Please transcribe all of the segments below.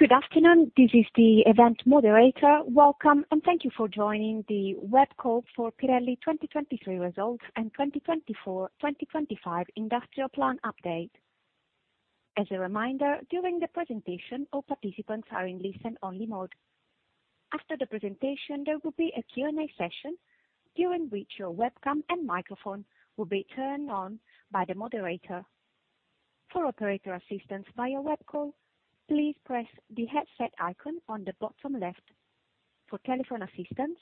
Good afternoon. This is the event moderator. Welcome, and thank you for joining the WebCorp for Pirelli 2023 results and 2024-2025 industrial plan update. As a reminder, during the presentation, all participants are in listen-only mode. After the presentation, there will be a Q&A session during which your webcam and microphone will be turned on by the moderator. For operator assistance via web call, please press the headset icon on the bottom left. For telephone assistance,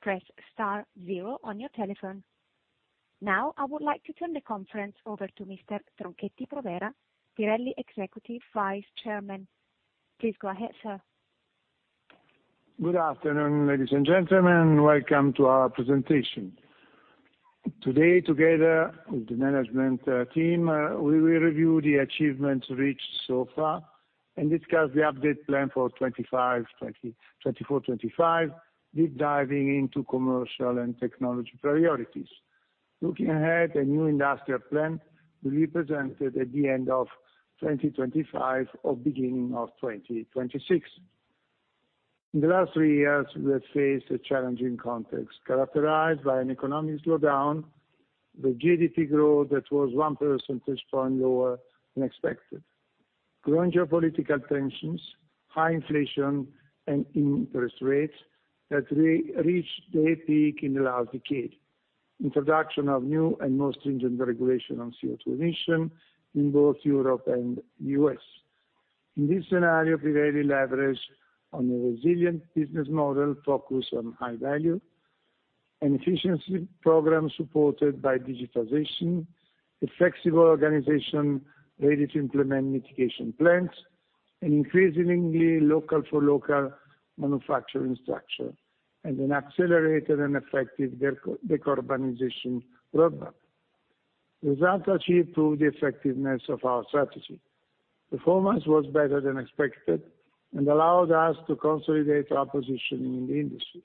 press star zero on your telephone. Now I would like to turn the conference over to Mr. Tronchetti Provera, Pirelli Executive Vice Chairman. Please go ahead, sir. Good afternoon, ladies and gentlemen. Welcome to our presentation. Today, together with the management team, we will review the achievements reached so far and discuss the update plan for 2024-2025, deep diving into commercial and technology priorities. Looking ahead, a new industrial plan will be presented at the end of 2025 or beginning of 2026. In the last three years, we have faced a challenging context characterized by an economic slowdown, the GDP growth that was 1 percentage point lower than expected, growing geopolitical tensions, high inflation, and interest rates that reached their peak in the last decade, introduction of new and more stringent regulation on CO2 emission in both Europe and the U.S. In this scenario, Pirelli leveraged on a resilient business model focused on High Value, an efficiency program supported by digitization, a flexible organization ready to implement mitigation plans, and increasingly local-for-local manufacturing structure, and an accelerated and effective decarbonization roadmap. Results achieved proved the effectiveness of our strategy. Performance was better than expected and allowed us to consolidate our position in the industry.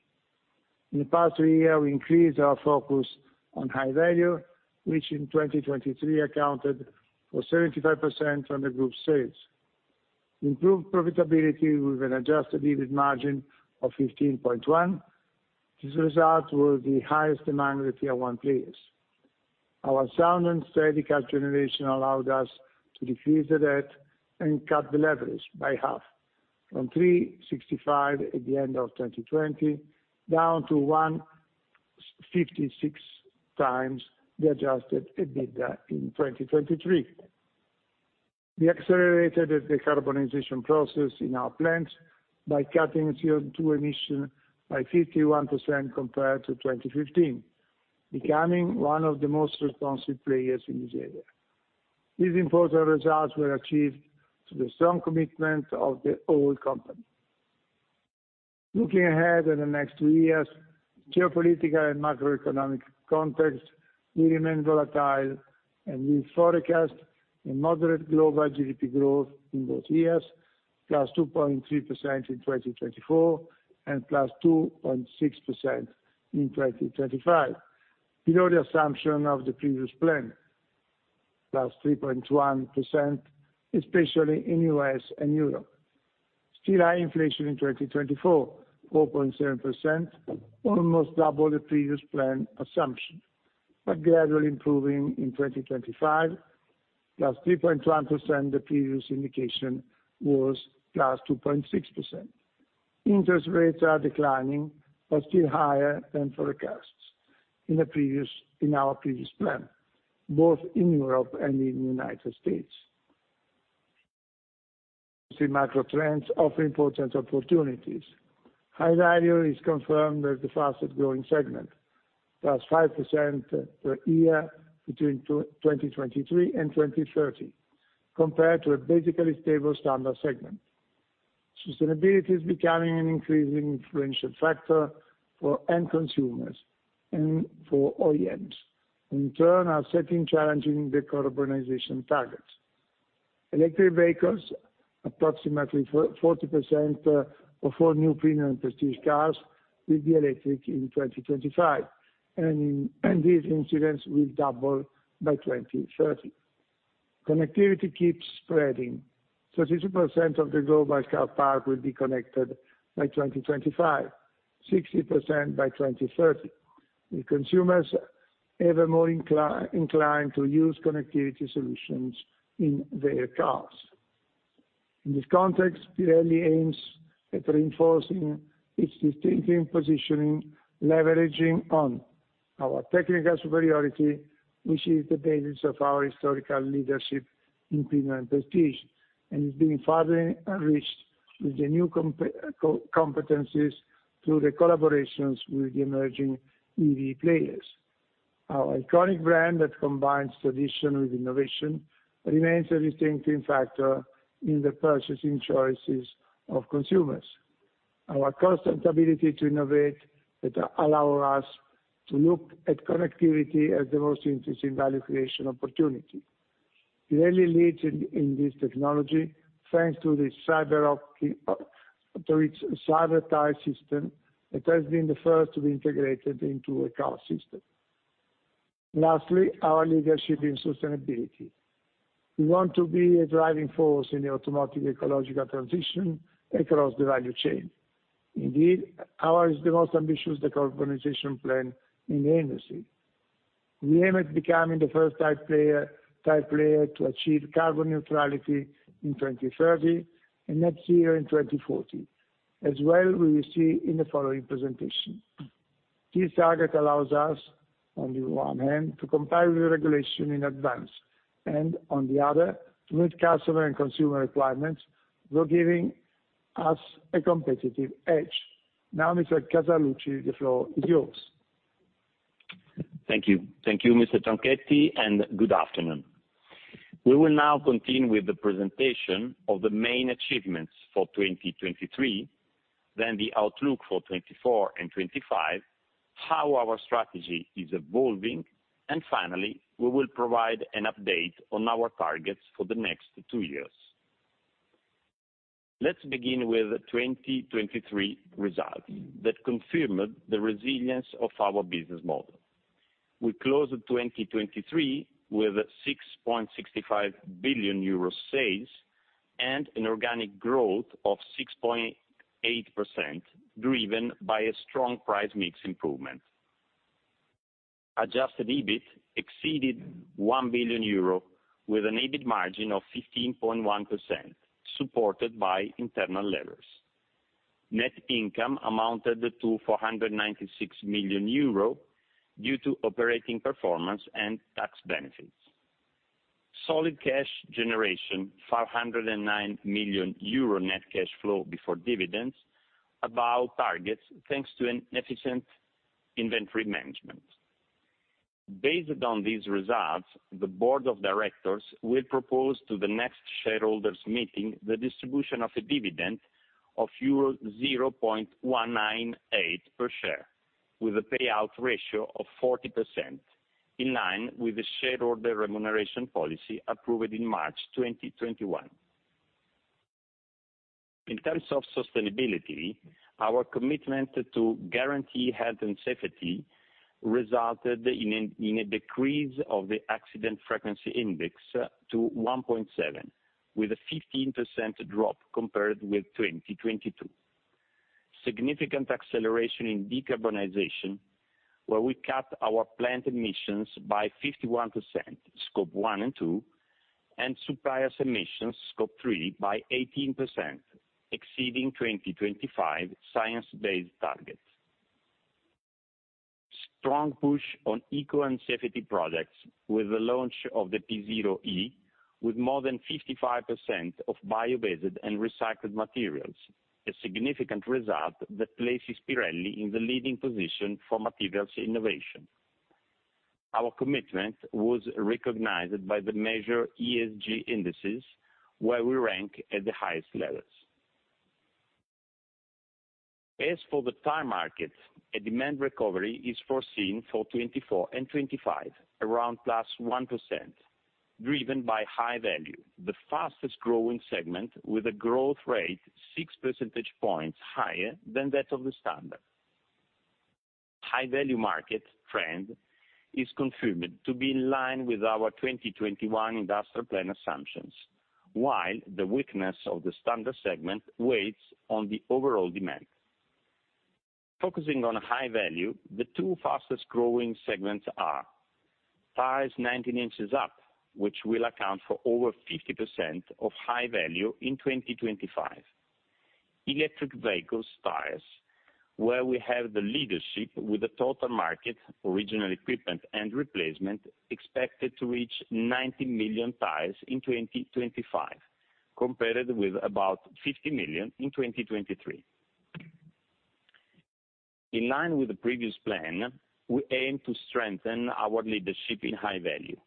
In the past three years, we increased our focus on High Value, which in 2023 accounted for 75% of the group's sales. Improved profitability with an adjusted EBIT margin of 15.1%. These results were the highest demand of the Tier 1 players. Our sound and steady cash generation allowed us to decrease the debt and cut the leverage by half, from 3.65 at the end of 2020 down to 1.56x the adjusted EBITDA in 2023. We accelerated the decarbonization process in our plants by cutting CO2 emission by 51% compared to 2015, becoming one of the most responsive players in this area. These important results were achieved through the strong commitment of the whole company. Looking ahead in the next two years, geopolitical and macroeconomic context, we remain volatile, and we forecast a moderate global GDP growth in both years, +2.3% in 2024 and +2.6% in 2025, below the assumption of the previous plan, +3.1%, especially in the U.S. and Europe. Still high inflation in 2024, 4.7%, almost double the previous plan assumption, but gradually improving in 2025, +3.1% the previous indication was, +2.6%. Interest rates are declining but still higher than forecasts in our previous plan, both in Europe and in the United States. Macro trends offer important opportunities. High Value is confirmed as the fastest growing segment, +5% per year between 2023 and 2030, compared to a basically stable Standard segment. Sustainability is becoming an increasingly influential factor for end consumers and for OEMs, and in turn, are setting challenging decarbonization targets. Electric vehicles, approximately 40% of all new premium and prestige cars will be electric in 2025, and these instances will double by 2030. Connectivity keeps spreading. 32% of the global car park will be connected by 2025, 60% by 2030, with consumers ever more inclined to use connectivity solutions in their cars. In this context, Pirelli aims at reinforcing its distinctive positioning, leveraging on our technical superiority, which is the basis of our historical leadership in premium and prestige, and is being further enriched with the new competencies through the collaborations with the emerging EV players. Our iconic brand that combines tradition with innovation remains a distinctive factor in the purchasing choices of consumers. Our constant ability to innovate allows us to look at connectivity as the most interesting value creation opportunity. Pirelli leads in this technology thanks to its Cyber Tyre system that has been the first to be integrated into a car system. Lastly, our leadership in sustainability. We want to be a driving force in the automotive ecological transition across the value chain. Indeed, ours is the most ambitious decarbonization plan in the industry. We aim at becoming the Tier 1 player to achieve carbon neutrality in 2030 and net zero in 2040, as well as we will see in the following presentation. This target allows us, on the one hand, to comply with regulation in advance, and on the other, to meet customer and consumer requirements, though giving us a competitive edge. Now, Mr. Casaluci, the floor is yours. Thank you. Thank you, Mr. Tronchetti, and good afternoon. We will now continue with the presentation of the main achievements for 2023, then the outlook for 2024 and 2025, how our strategy is evolving, and finally, we will provide an update on our targets for the next two years. Let's begin with 2023 results that confirmed the resilience of our business model. We closed 2023 with 6.65 billion euro sales and an organic growth of 6.8% driven by a strong price mix improvement. Adjusted EBIT exceeded 1 billion euro with an EBIT margin of 15.1%, supported by internal levers. Net income amounted to 496 million euro due to operating performance and tax benefits. Solid cash generation, 509 million euro net cash flow before dividends, above targets thanks to an efficient inventory management. Based upon these results, the board of directors will propose to the next shareholders' meeting the distribution of a dividend of euro 0.198 per share, with a payout ratio of 40%, in line with the shareholder remuneration policy approved in March 2021. In terms of sustainability, our commitment to guarantee health and safety resulted in a decrease of the accident frequency index to 1.7, with a 15% drop compared with 2022. Significant acceleration in decarbonization, where we cut our plant emissions by 51%, Scope 1 and 2, and suppliers emissions, Scope 3, by 18%, exceeding 2025 science-based targets. Strong push on eco and safety projects with the launch of the P Zero E, with more than 55% of bio-based and recycled materials, a significant result that places Pirelli in the leading position for materials innovation. Our commitment was recognized by the major ESG indices, where we rank at the highest levels. As for the tire market, a demand recovery is foreseen for 2024 and 2025, around +1%, driven by High Value, the fastest growing segment with a growth rate 6 percentage points higher than that of the Standard. High Value market trend is confirmed to be in line with our 2021 industrial plan assumptions, while the weakness of the Standard segment weights on the overall demand. Focusing on High Value, the two fastest growing segments are: tires 19 inches up, which will account for over 50% of High Value in 2025; electric vehicles tires, where we have the leadership with a total market, original equipment, and replacement expected to reach 90 million tires in 2025, compared with about 50 million in 2023. In line with the previous plan, we aim to strengthen our leadership in High Value.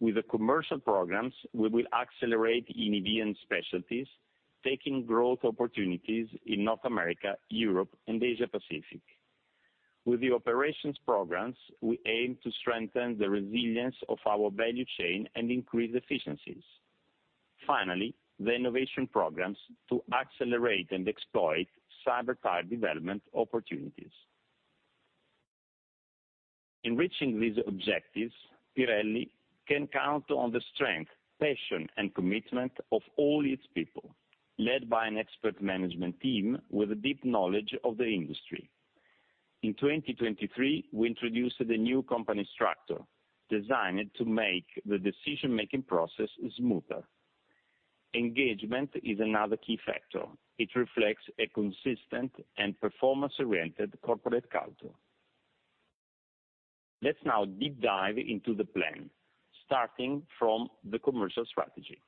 With the commercial programs, we will accelerate EV and specialties, taking growth opportunities in North America, Europe, and Asia-Pacific. With the operations programs, we aim to strengthen the resilience of our value chain and increase efficiencies. Finally, the innovation programs to accelerate and exploit Cyber Tyre development opportunities. Enriching these objectives, Pirelli can count on the strength, passion, and commitment of all its people, led by an expert management team with a deep knowledge of the industry. In 2023, we introduced a new company structure designed to make the decision-making process smoother. Engagement is another key factor. It reflects a consistent and performance-oriented corporate culture. Let's now deep dive into the plan, starting from the commercial strategy.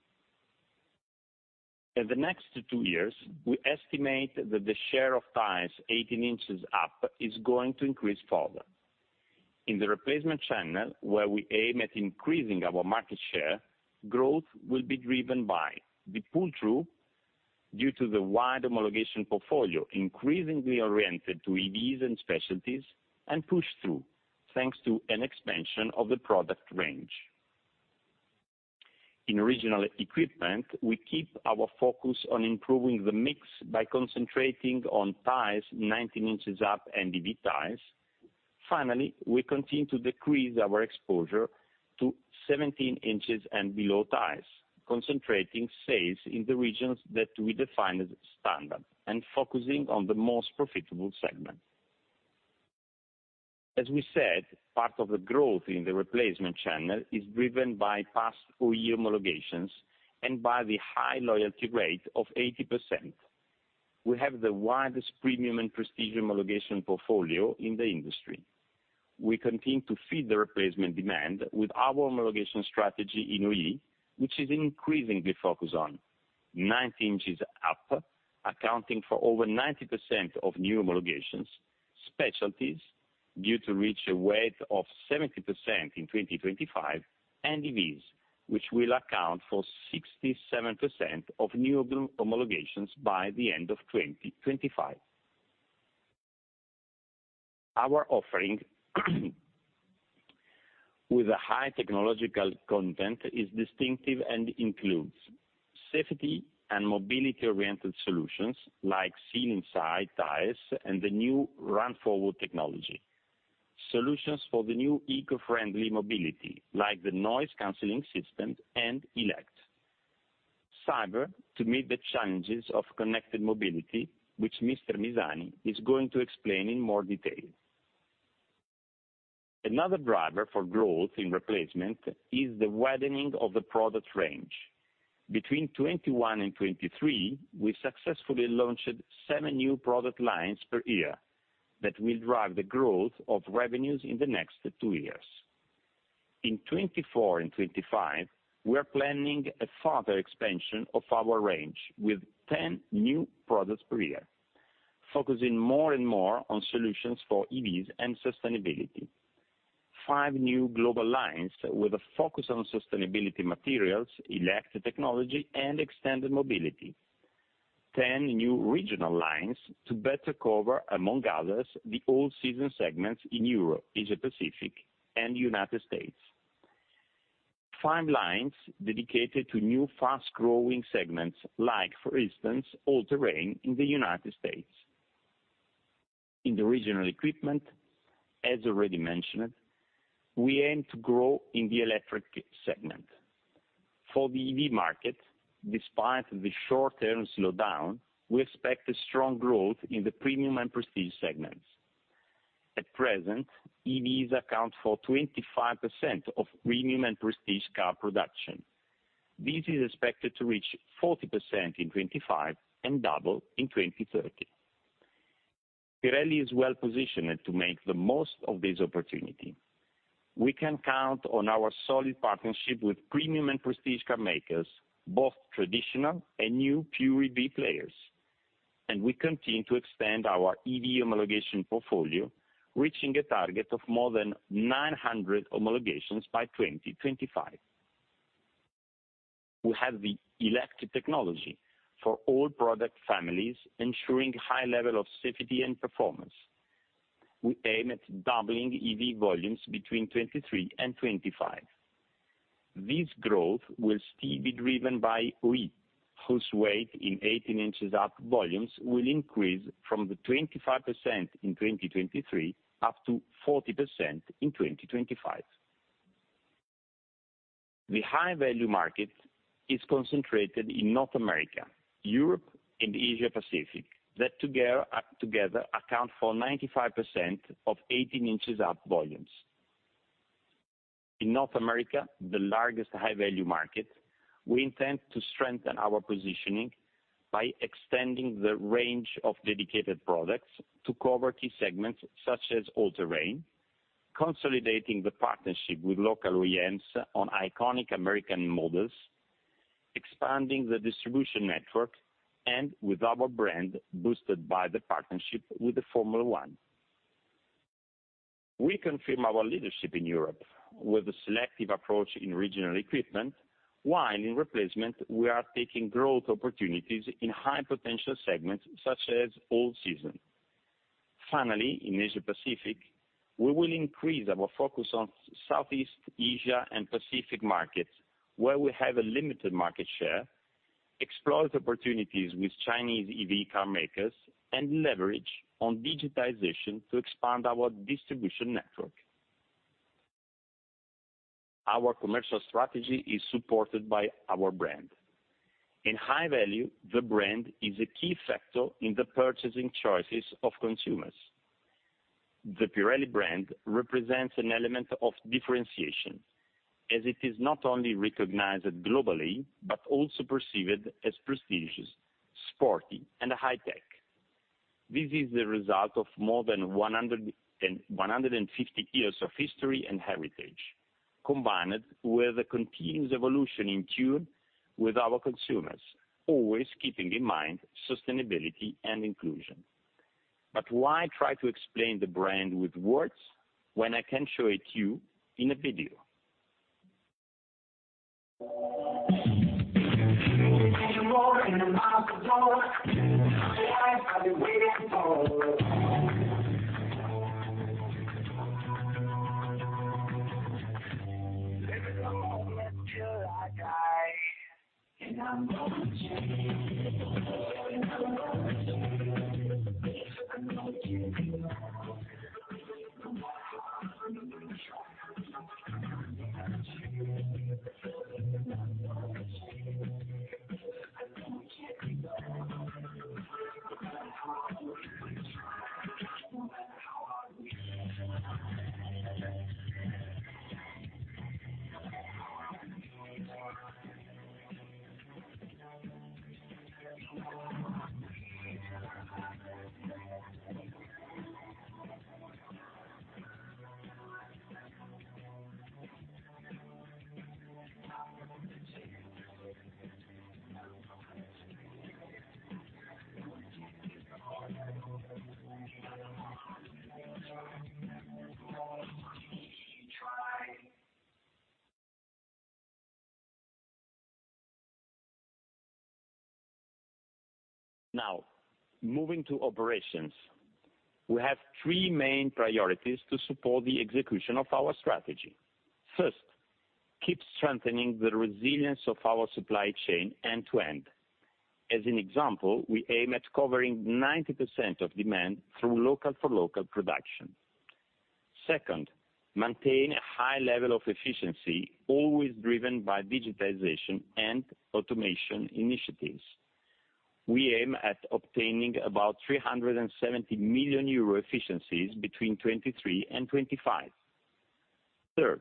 In the next two years, we estimate that the share of tires 18 inches up is going to increase further. In the replacement channel, where we aim at increasing our market share, growth will be driven by the pull-through due to the wide homologation portfolio, increasingly oriented to EVs and specialties, and push-through thanks to an expansion of the product range. In original equipment, we keep our focus on improving the mix by concentrating on tires 19 inches up and EV tires. Finally, we continue to decrease our exposure to 17 inches and below tires, concentrating sales in the regions that we define as standard and focusing on the most profitable segment. As we said, part of the growth in the replacement channel is driven by past OE homologations and by the high loyalty rate of 80%. We have the widest premium and prestige homologation portfolio in the industry. We continue to feed the replacement demand with our homologation strategy in OE, which is increasingly focused on 19 inches up, accounting for over 90% of new homologations, specialties due to reach a weight of 70% in 2025, and EVs, which will account for 67% of new homologations by the end of 2025. Our offering, with a high technological content, is distinctive and includes safety and mobility-oriented solutions like Seal Inside tires and the new RunForward technology, solutions for the new eco-friendly mobility like the noise-canceling system and Elect, Cyber to meet the challenges of connected mobility, which Mr. Misani is going to explain in more detail. Another driver for growth in replacement is the widening of the product range. Between 2021 and 2023, we successfully launched 7 new product lines per year that will drive the growth of revenues in the next two years. In 2024 and 2025, we are planning a further expansion of our range with 10 new products per year, focusing more and more on solutions for EVs and sustainability, five new global lines with a focus on sustainability materials, Elect technology, and extended mobility, 10 new regional lines to better cover, among others, the all-season segments in Europe, Asia-Pacific, and the United States, five lines dedicated to new fast-growing segments like, for instance, all-terrain in the United States. In the original equipment, as already mentioned, we aim to grow in the electric segment. For the EV market, despite the short-term slowdown, we expect strong growth in the premium and prestige segments. At present, EVs account for 25% of premium and prestige car production. This is expected to reach 40% in 2025 and double in 2030. Pirelli is well-positioned to make the most of this opportunity. We can count on our solid partnership with premium and prestige car makers, both traditional and new Pure EV players, and we continue to extend our EV homologation portfolio, reaching a target of more than 900 homologations by 2025. We have the Elect technology for all product families, ensuring high level of safety and performance. We aim at doubling EV volumes between 2023 and 2025. This growth will still be driven by OE, whose weight in 18 inches up volumes will increase from 25% in 2023 up to 40% in 2025. The high value market is concentrated in North America, Europe, and Asia-Pacific that together account for 95% of 18 inches up volumes. In North America, the largest High Value market, we intend to strengthen our positioning by extending the range of dedicated products to cover key segments such as all-terrain, consolidating the partnership with local OEMs on iconic American models, expanding the distribution network, and with our brand boosted by the partnership with the Formula 1. We confirm our leadership in Europe with a selective approach in regional equipment, while in replacement, we are taking growth opportunities in high-potential segments such as all-season. Finally, in Asia-Pacific, we will increase our focus on Southeast Asia and Pacific markets, where we have a limited market share, exploit opportunities with Chinese EV car makers, and leverage on digitization to expand our distribution network. Our commercial strategy is supported by our brand. In High Value, the brand is a key factor in the purchasing choices of consumers. The Pirelli brand represents an element of differentiation, as it is not only recognized globally but also perceived as prestigious, sporty, and high-tech. This is the result of more than 150 years of history and heritage, combined with a continuous evolution in tune with our consumers, always keeping in mind sustainability and inclusion. But why try to explain the brand with words when I can show it to you in a video? You're walking a miles the door. In my eyes, I've been waiting for. Let me know, let's kill or die. And I'm gonna change it. I know I can't complain. No matter how hard we try. And I'm gonna change it. And I'm gonna change it. I know I can't complain. No matter how hard we try. No matter how hard we try. No matter how hard we try. No matter how hard we try. Let me know, let's kill or die. And I'm gonna change it. I know I can't complain. No matter how hard we try. I'm gonna change it. Now, moving to operations, we have three main priorities to support the execution of our strategy. First, keep strengthening the resilience of our supply chain end-to-end. As an example, we aim at covering 90% of demand through local-for-local production. Second, maintain a high level of efficiency, always driven by digitization and automation initiatives. We aim at obtaining about 370 million euro efficiencies between 2023 and 2025. Third,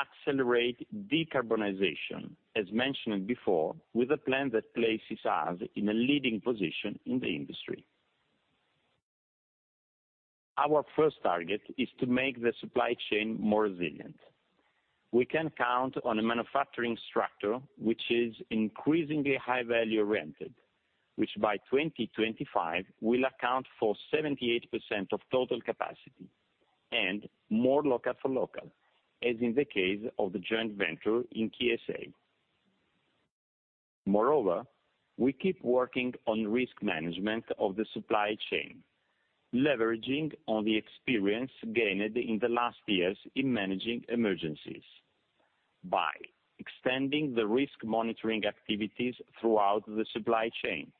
accelerate decarbonization, as mentioned before, with a plan that places us in a leading position in the industry. Our first target is to make the supply chain more resilient. We can count on a manufacturing structure which is increasingly High Value-oriented, which by 2025 will account for 78% of total capacity, and more local-for-local, as in the case of the joint venture in KSA. Moreover, we keep working on risk management of the supply chain, leveraging on the experience gained in the last years in managing emergencies by extending the risk monitoring activities throughout the supply chain,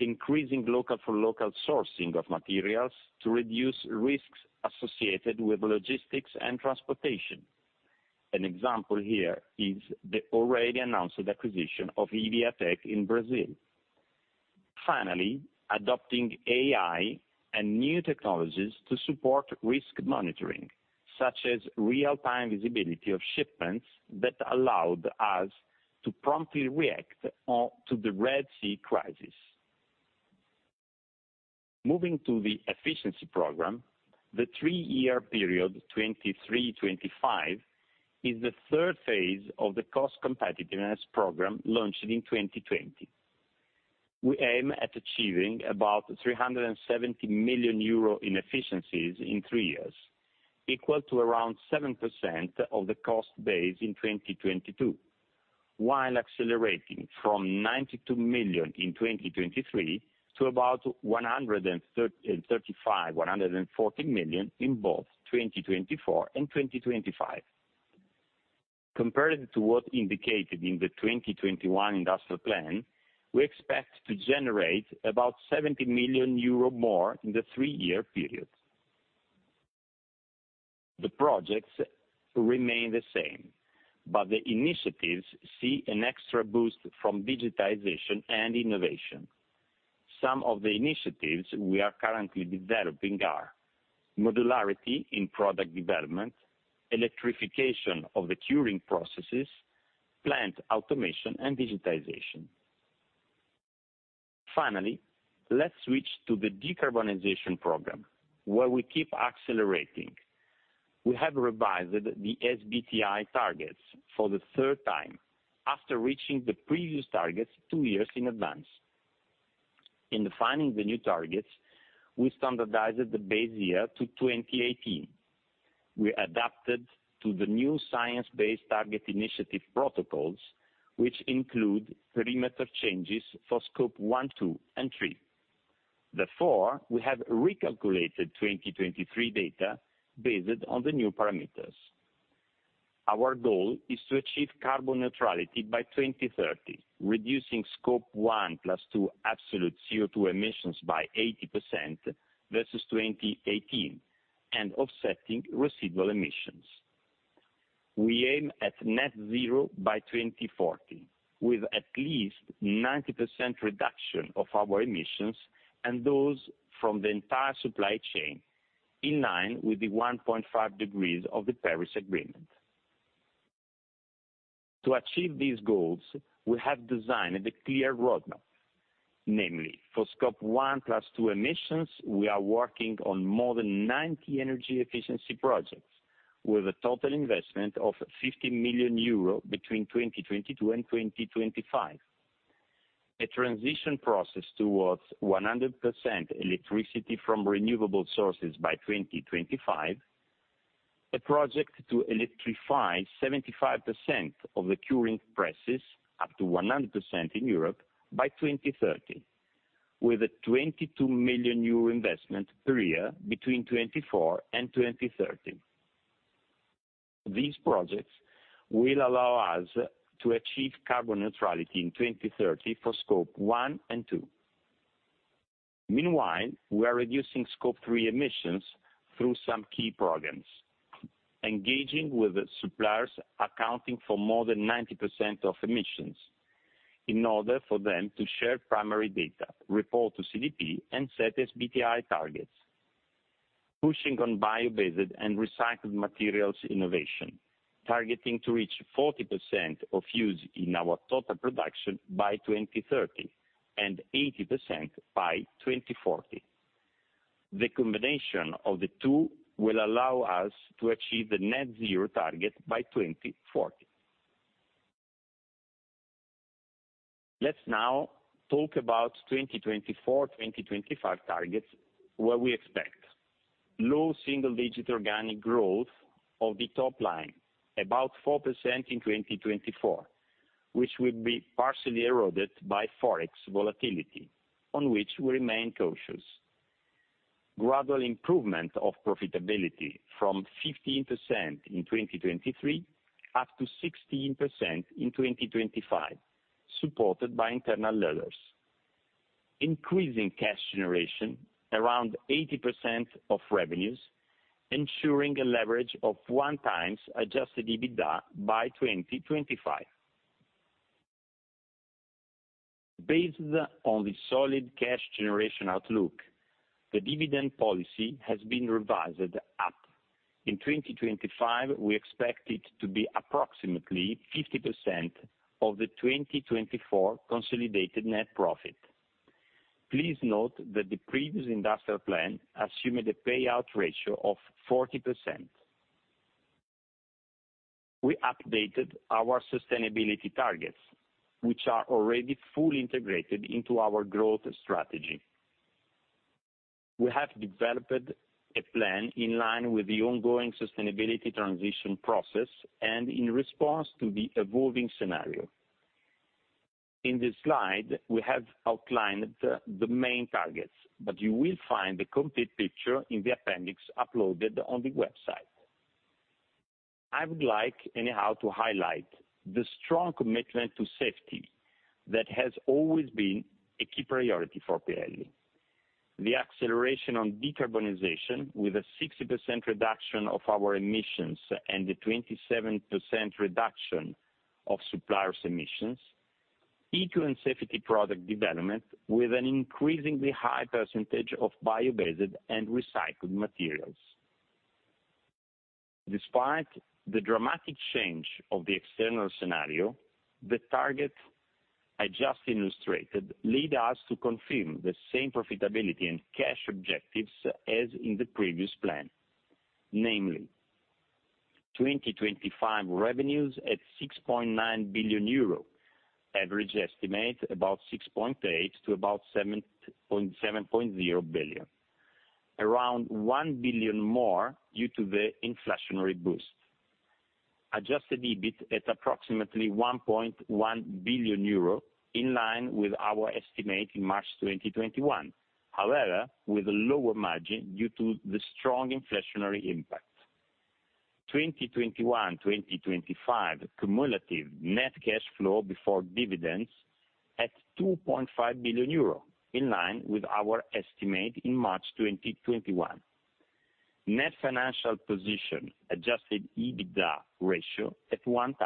increasing local-for-local sourcing of materials to reduce risks associated with logistics and transportation. An example here is the already announced acquisition of Hevea-Tec in Brazil. Finally, adopting AI and new technologies to support risk monitoring, such as real-time visibility of shipments that allowed us to promptly react to the Red Sea crisis. Moving to the efficiency program, the three-year period 2023-2025 is the third phase of the cost competitiveness program launched in 2020. We aim at achieving about 370 million euro in efficiencies in three years, equal to around 7% of the cost base in 2022, while accelerating from 92 million in 2023 to about 135 million-140 million in both 2024 and 2025. Compared to what indicated in the 2021 industrial plan, we expect to generate about 70 million euro more in the three-year period. The projects remain the same, but the initiatives see an extra boost from digitization and innovation. Some of the initiatives we are currently developing are modularity in product development, electrification of the curing processes, plant automation, and digitization. Finally, let's switch to the decarbonization program, where we keep accelerating. We have revised the SBTI targets for the third time after reaching the previous targets two years in advance. In defining the new targets, we standardized the base year to 2018. We adapted to the new Science Based Targets initiative protocols, which include perimeter changes for Scope 1, 2, and 3. Therefore, we have recalculated 2023 data based on the new parameters. Our goal is to achieve carbon neutrality by 2030, reducing Scope 1 + 2 absolute CO2 emissions by 80% versus 2018, and offsetting residual emissions. We aim at net zero by 2040, with at least 90% reduction of our emissions and those from the entire supply chain, in line with the 1.5 degrees of the Paris Agreement. To achieve these goals, we have designed a clear roadmap. Namely, for Scope 1 + 2 emissions, we are working on more than 90 energy efficiency projects with a total investment of 50 million euro between 2022 and 2025, a transition process towards 100% electricity from renewable sources by 2025, a project to electrify 75% of the curing presses up to 100% in Europe by 2030, with a 22 million euro investment period between 2024 and 2030. These projects will allow us to achieve carbon neutrality in 2030 for Scope 1 and 2. Meanwhile, we are reducing Scope 3 emissions through some key programs, engaging with suppliers accounting for more than 90% of emissions in order for them to share primary data, report to CDP, and set SBTI targets, pushing on bio-based and recycled materials innovation, targeting to reach 40% of use in our total production by 2030 and 80% by 2040. The combination of the two will allow us to achieve the net zero target by 2040. Let's now talk about 2024-2025 targets, where we expect low single-digit organic growth of the top line, about 4% in 2024, which will be partially eroded by Forex volatility, on which we remain cautious, gradual improvement of profitability from 15% in 2023 up to 16% in 2025, supported by internal levers, increasing cash generation around 80% of revenues, ensuring a leverage of 1x adjusted EBITDA by 2025. Based on the solid cash generation outlook, the dividend policy has been revised up. In 2025, we expect it to be approximately 50% of the 2024 consolidated net profit. Please note that the previous industrial plan assumed a payout ratio of 40%. We updated our sustainability targets, which are already fully integrated into our growth strategy. We have developed a plan in line with the ongoing sustainability transition process and in response to the evolving scenario. In this slide, we have outlined the main targets, but you will find the complete picture in the appendix uploaded on the website. I would like, anyhow, to highlight the strong commitment to safety that has always been a key priority for Pirelli, the acceleration on decarbonization with a 60% reduction of our emissions and a 27% reduction of suppliers' emissions, eco-and-safety product development with an increasingly high percentage of bio-based and recycled materials. Despite the dramatic change of the external scenario, the targets I just illustrated lead us to confirm the same profitability and cash objectives as in the previous plan. Namely, 2025 revenues at 6.9 billion euro, average estimate about 6.8-7.0 billion, around 1 billion more due to the inflationary boost, adjusted EBIT at approximately 1.1 billion euro in line with our estimate in March 2021, however, with a lower margin due to the strong inflationary impact, 2021-2025 cumulative net cash flow before dividends at 2.5 billion euro in line with our estimate in March 2021, net financial position adjusted EBITDA ratio at 1x.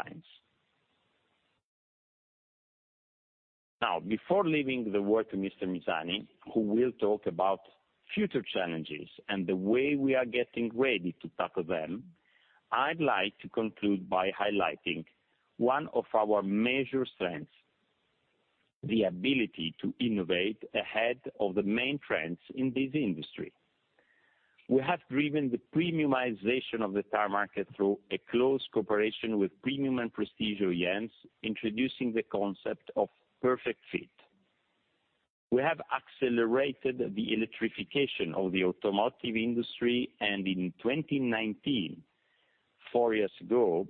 Now, before leaving the word to Mr. Misani, who will talk about future challenges and the way we are getting ready to tackle them, I'd like to conclude by highlighting one of our major strengths: the ability to innovate ahead of the main trends in this industry. We have driven the premiumization of the tire market through a close cooperation with premium and prestigious brands, introducing the concept of perfect fit. We have accelerated the electrification of the automotive industry, and in 2019, four years ago,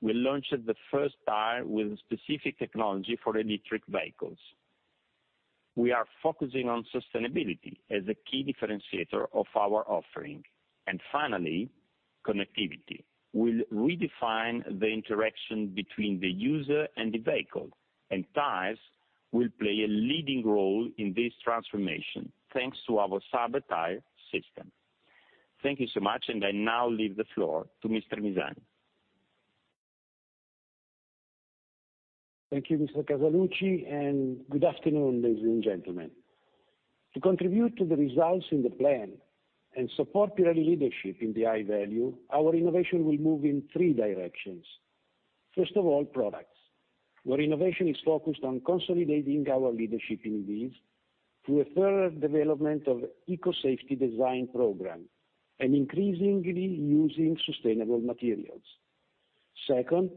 we launched the first tire with a specific technology for electric vehicles. We are focusing on sustainability as a key differentiator of our offering. Finally, connectivity will redefine the interaction between the user and the vehicle, and tires will play a leading role in this transformation thanks to our Cyber Tyre system. Thank you so much, and I now leave the floor to Mr. Misani. Thank you, Mr. Casaluci, and good afternoon, ladies and gentlemen. To contribute to the results in the plan and support Pirelli leadership in the High Value, our innovation will move in three directions. First of all, products, where innovation is focused on consolidating our leadership in EVs through a further development of eco-safety design program and increasingly using sustainable materials. Second,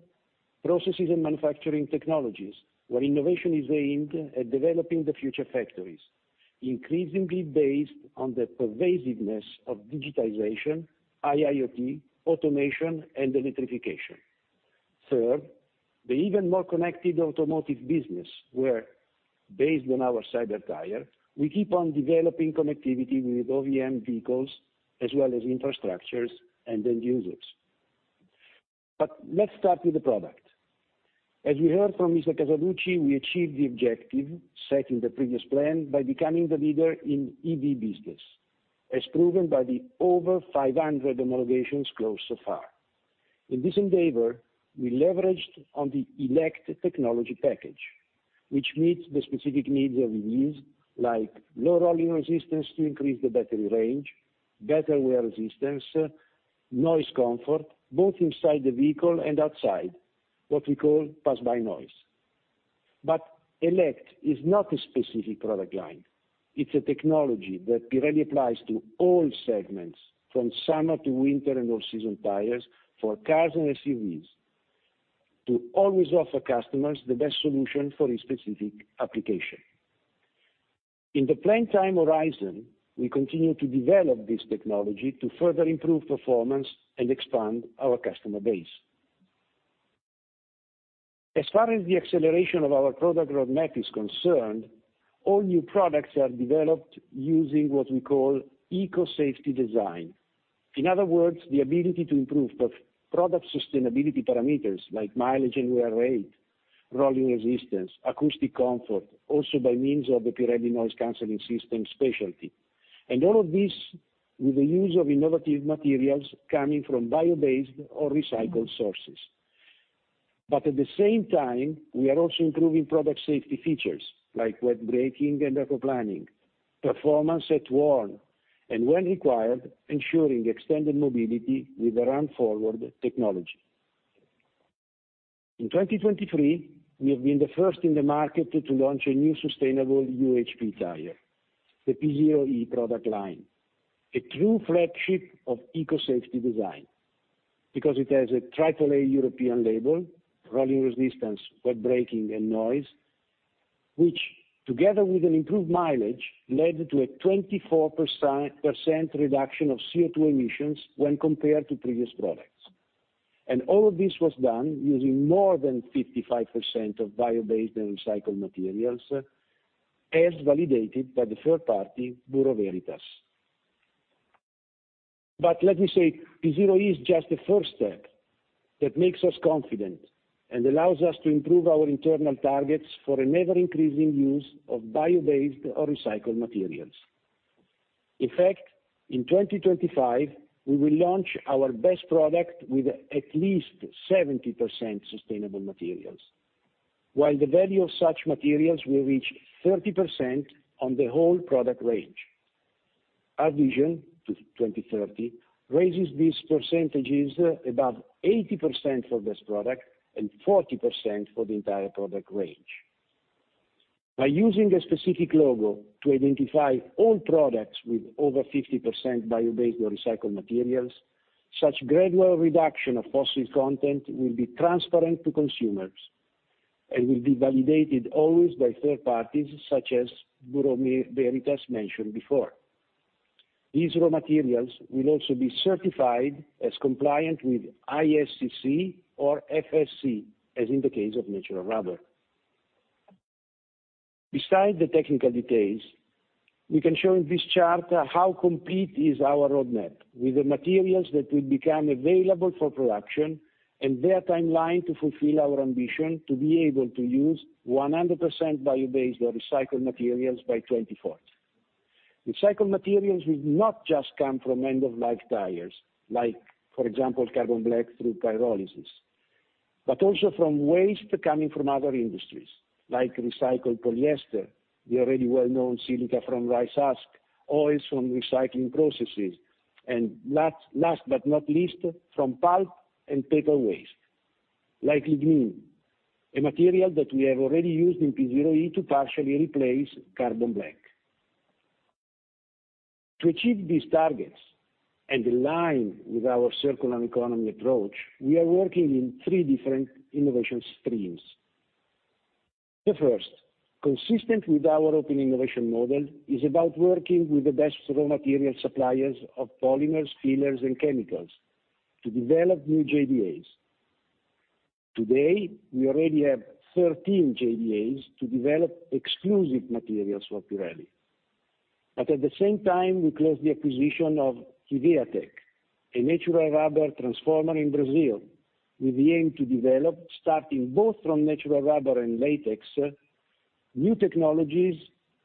processes and manufacturing technologies, where innovation is aimed at developing the future factories, increasingly based on the pervasiveness of digitization, IIoT, automation, and electrification. Third, the even more connected automotive business, where, based on our Cyber Tyre, we keep on developing connectivity with OEM vehicles as well as infrastructures and end users. But let's start with the product. As we heard from Mr. Casaluci, we achieved the objective set in the previous plan by becoming the leader in EV business, as proven by the over 500 homologations closed so far. In this endeavor, we leveraged on the Elect technology package, which meets the specific needs of EVs, like lower rolling resistance to increase the battery range, better wear resistance, noise comfort, both inside the vehicle and outside, what we call pass-by noise. But Elect is not a specific product line. It's a technology that Pirelli applies to all segments, from summer to winter and all-season tires for cars and SUVs, to always offer customers the best solution for each specific application. In the planned time horizon, we continue to develop this technology to further improve performance and expand our customer base. As far as the acceleration of our product roadmap is concerned, all new products are developed using what we call eco-safety design. In other words, the ability to improve product sustainability parameters like mileage and wear rate, rolling resistance, acoustic comfort, also by means of the Pirelli Noise Cancelling System specialty, and all of this with the use of innovative materials coming from bio-based or recycled sources. But at the same time, we are also improving product safety features like wet braking and aquaplaning, performance at warm, and when required, ensuring extended mobility with the RunForward technology. In 2023, we have been the first in the market to launch a new sustainable UHP tire, the P Zero E product line, a true flagship of eco-safety design because it has a AAA European label, rolling resistance, wet braking, and noise, which, together with an improved mileage, led to a 24% reduction of CO2 emissions when compared to previous products. All of this was done using more than 55% of bio-based and recycled materials, as validated by the third-party Bureau Veritas. Let me say, P Zero E is just the first step that makes us confident and allows us to improve our internal targets for an ever-increasing use of bio-based or recycled materials. In fact, in 2025, we will launch our best product with at least 70% sustainable materials, while the value of such materials will reach 30% on the whole product range. Our vision to 2030 raises these percentages above 80% for best product and 40% for the entire product range. By using a specific logo to identify all products with over 50% bio-based or recycled materials, such gradual reduction of fossil content will be transparent to consumers and will be validated always by third parties such as Bureau Veritas mentioned before. These raw materials will also be certified as compliant with ISCC or FSC, as in the case of natural rubber. Besides the technical details, we can show in this chart how complete our roadmap is with the materials that will become available for production and their timeline to fulfill our ambition to be able to use 100% bio-based or recycled materials by 2040. Recycled materials will not just come from end-of-life tires, like, for example, carbon black through pyrolysis, but also from waste coming from other industries, like recycled polyester, the already well-known silica from rice husk, oils from recycling processes, and last but not least, from pulp and paper waste, like lignin, a material that we have already used in P Zero E to partially replace carbon black. To achieve these targets and align with our circular economy approach, we are working in three different innovation streams. The first, consistent with our open innovation model, is about working with the best raw material suppliers of polymers, fillers, and chemicals to develop new JDAs. Today, we already have 13 JDAs to develop exclusive materials for Pirelli. But at the same time, we closed the acquisition of Hevea-Tec, a natural rubber transformer in Brazil, with the aim to develop, starting both from natural rubber and latex, new technologies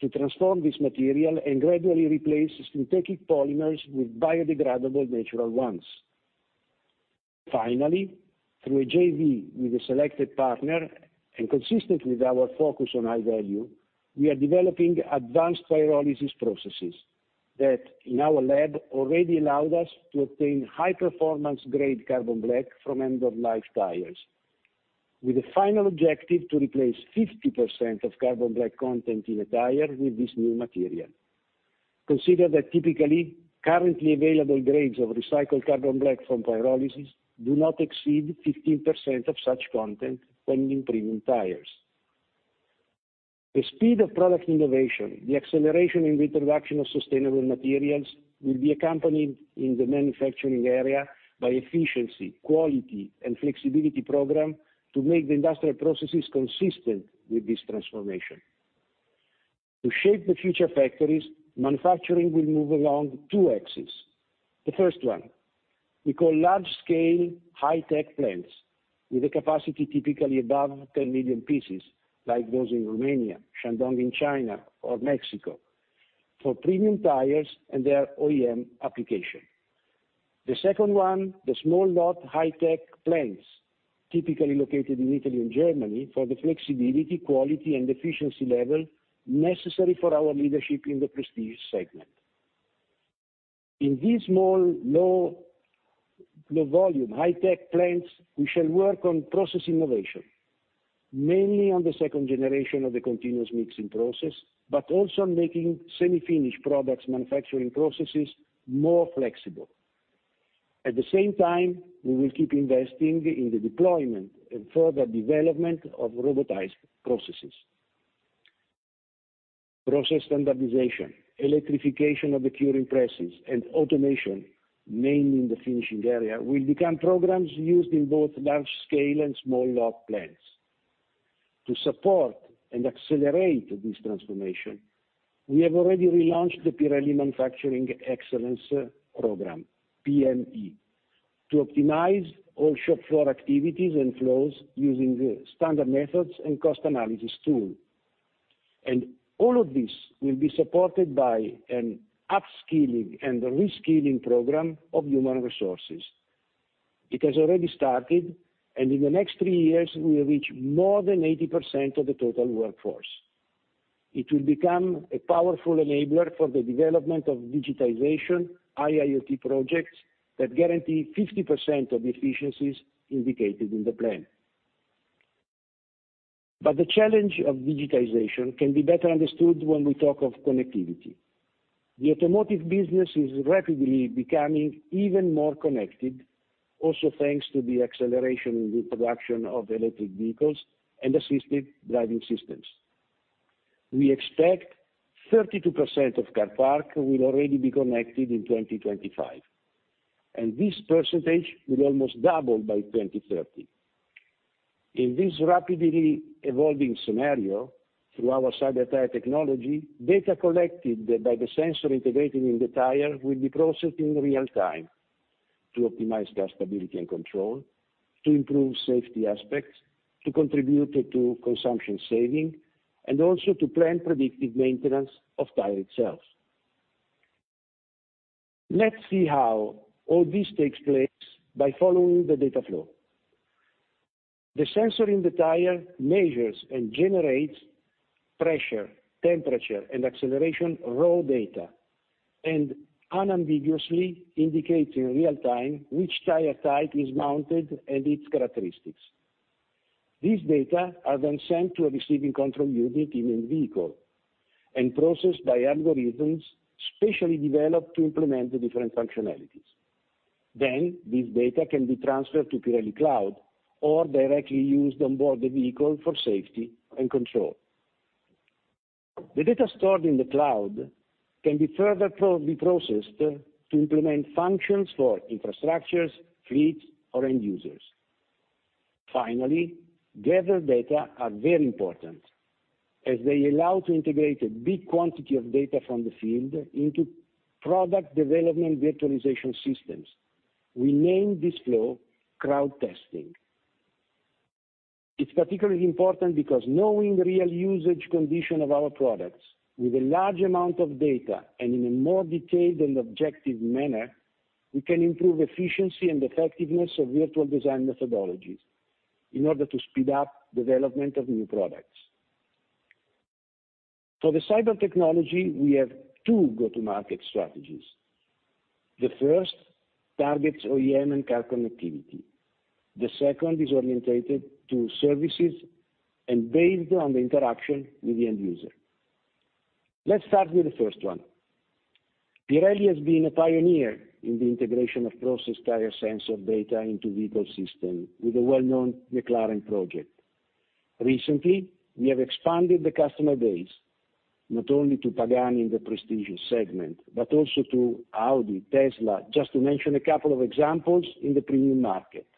to transform this material and gradually replace synthetic polymers with biodegradable natural ones. Finally, through a JV with a selected partner and consistent with our focus on High Value, we are developing advanced pyrolysis processes that, in our lab, already allowed us to obtain high-performance-grade carbon black from end-of-life tires, with the final objective to replace 50% of carbon black content in a tire with this new material. Consider that typically, currently available grades of recycled carbon black from pyrolysis do not exceed 15% of such content when in premium tires. The speed of product innovation, the acceleration in the introduction of sustainable materials, will be accompanied in the manufacturing area by efficiency, quality, and flexibility programs to make the industrial processes consistent with this transformation. To shape the future factories, manufacturing will move along two axes. The first one, we call large-scale, high-tech plants with a capacity typically above 10 million pieces, like those in Romania, Shandong in China, or Mexico, for premium tires and their OEM application. The second one, the small-lot, high-tech plants, typically located in Italy and Germany, for the flexibility, quality, and efficiency level necessary for our leadership in the prestige segment. In these small, low-volume, high-tech plants, we shall work on process innovation, mainly on the second generation of the continuous mixing process, but also on making semi-finished products manufacturing processes more flexible. At the same time, we will keep investing in the deployment and further development of robotized processes. Process standardization, electrification of the curing presses, and automation, mainly in the finishing area, will become programs used in both large-scale and small-lot plants. To support and accelerate this transformation, we have already relaunched the Pirelli Manufacturing Excellence Program, PME, to optimize all shop floor activities and flows using standard methods and cost analysis tools. And all of this will be supported by an upskilling and reskilling program of human resources. It has already started, and in the next three years, we will reach more than 80% of the total workforce. It will become a powerful enabler for the development of digitization, IIoT projects that guarantee 50% of the efficiencies indicated in the plan. But the challenge of digitization can be better understood when we talk of connectivity. The automotive business is rapidly becoming even more connected, also thanks to the acceleration in the introduction of electric vehicles and assisted driving systems. We expect 32% of car park will already be connected in 2025, and this percentage will almost double by 2030. In this rapidly evolving scenario, through our Cyber Tyre technology, data collected by the sensor integrated in the tire will be processed in real time to optimize car stability and control, to improve safety aspects, to contribute to consumption saving, and also to plan predictive maintenance of the tire itself. Let's see how all this takes place by following the data flow. The sensor in the tire measures and generates pressure, temperature, and acceleration raw data and unambiguously indicates in real time which tire type is mounted and its characteristics. These data are then sent to a receiving control unit in the vehicle and processed by algorithms specially developed to implement the different functionalities. Then, these data can be transferred to Pirelli Cloud or directly used onboard the vehicle for safety and control. The data stored in the cloud can be further processed to implement functions for infrastructures, fleets, or end users. Finally, gathered data are very important as they allow us to integrate a big quantity of data from the field into product development virtualization systems. We name this flow crowd testing. It's particularly important because knowing the real usage condition of our products with a large amount of data and in a more detailed and objective manner, we can improve efficiency and effectiveness of virtual design methodologies in order to speed up the development of new products. For the cyber technology, we have two go-to-market strategies. The first targets OEM and car connectivity. The second is oriented to services and based on the interaction with the end user. Let's start with the first one. Pirelli has been a pioneer in the integration of process tire sensor data into vehicle systems with the well-known McLaren project. Recently, we have expanded the customer base not only to Pagani in the prestige segment but also to Audi, Tesla, just to mention a couple of examples, in the premium market.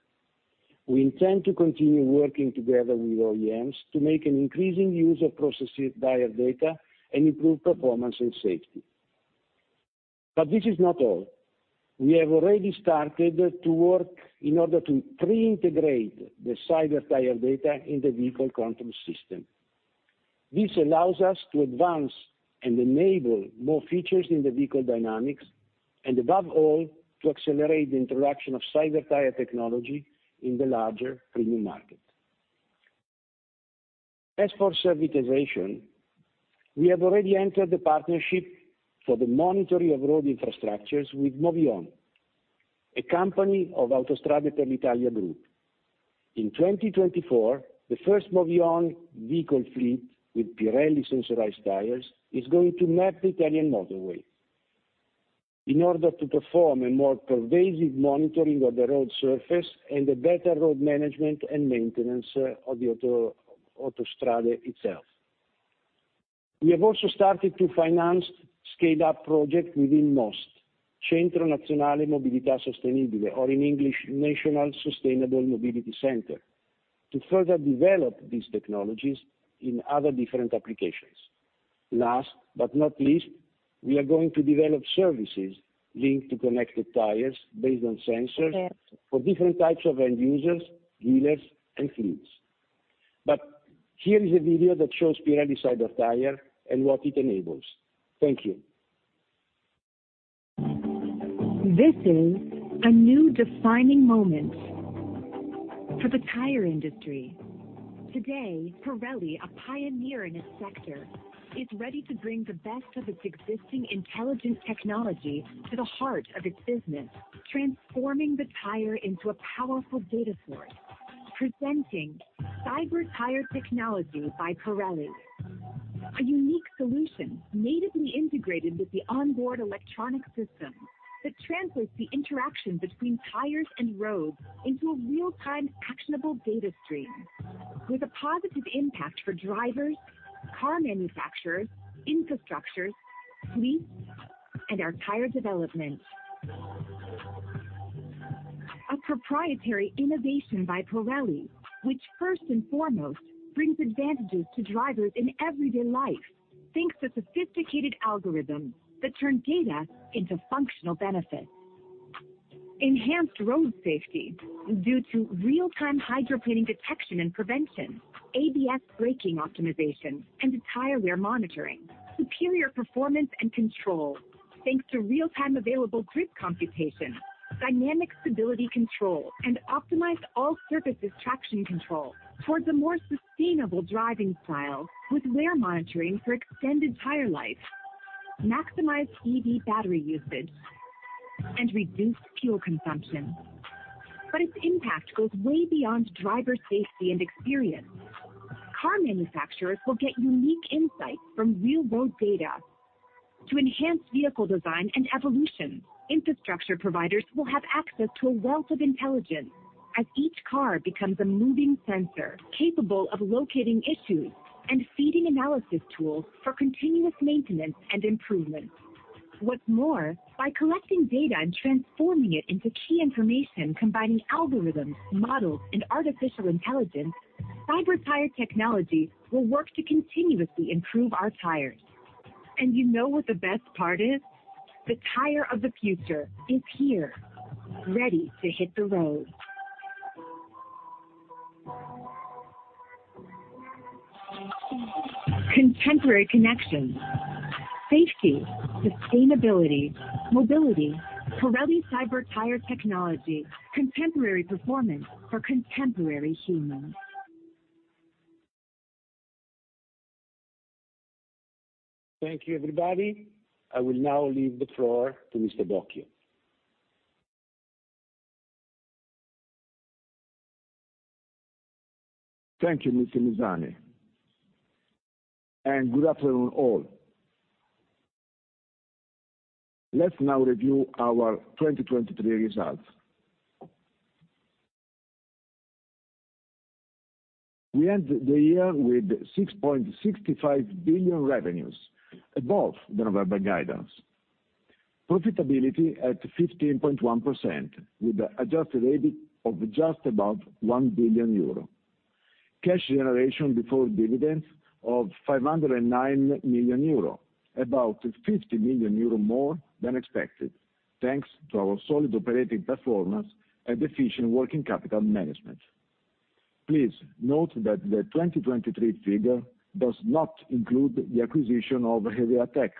We intend to continue working together with OEMs to make an increasing use of process tire data and improve performance and safety. But this is not all. We have already started to work in order to pre-integrate the Cyber Tyre data in the vehicle control system. This allows us to advance and enable more features in the vehicle dynamics and, above all, to accelerate the introduction of Cyber Tyre technology in the larger premium market. As for servitization, we have already entered the partnership for the monitoring of road infrastructures with Movyon, a company of Autostrade per l’Italia Group. In 2024, the first Movyon vehicle fleet with Pirelli sensorized tires is going to map the Italian motorway in order to perform a more pervasive monitoring of the road surface and a better road management and maintenance of the autostrade itself. We have also started to finance scale-up projects within MOST, Centro Nazionale Mobilità Sostenibile, or in English, National Sustainable Mobility Center, to further develop these technologies in other different applications. Last but not least, we are going to develop services linked to connected tires based on sensors for different types of end users, dealers, and fleets. But here is a video that shows Pirelli Cyber Tyre and what it enables. Thank you. This is a new defining moment for the tire industry. Today, Pirelli, a pioneer in its sector, is ready to bring the best of its existing intelligent technology to the heart of its business, transforming the tire into a powerful data source. Presenting Cyber Tyre Technology by Pirelli, a unique solution natively integrated with the onboard electronic systems that translates the interaction between tires and roads into a real-time, actionable data stream with a positive impact for drivers, car manufacturers, infrastructures, fleets, and our tire development. A proprietary innovation by Pirelli, which first and foremost brings advantages to drivers in everyday life, thanks to sophisticated algorithms that turn data into functional benefits. Enhanced road safety due to real-time hydroplaning detection and prevention, ABS braking optimization, and tire wear monitoring. Superior performance and control thanks to real-time available grip computation, dynamic stability control, and optimized all-surfaces traction control towards a more sustainable driving style with wear monitoring for extended tire life, maximized EV battery usage, and reduced fuel consumption. But its impact goes way beyond driver safety and experience. Car manufacturers will get unique insights from real-road data. To enhance vehicle design and evolution, infrastructure providers will have access to a wealth of intelligence as each car becomes a moving sensor capable of locating issues and feeding analysis tools for continuous maintenance and improvement. What's more, by collecting data and transforming it into key information combining algorithms, models, and artificial intelligence, Cyber Tyre technology will work to continuously improve our tires. And you know what the best part is? The tire of the future is here, ready to hit the road. Contemporary connections. Safety, sustainability, mobility. Pirelli Cyber Tyre Technology. Contemporary performance for contemporary humans. Thank you, everybody. I will now leave the floor to Mr. Bocchio. Thank you, Mr. Misani, and good afternoon all. Let's now review our 2023 results. We end the year with 6.65 billion revenues above the November guidance, profitability at 15.1% with an adjusted EBIT of just above 1 billion euro, cash generation before dividends of 509 million euro, about 50 million euro more than expected thanks to our solid operating performance and efficient working capital management. Please note that the 2023 figure does not include the acquisition of Hevea-Tec,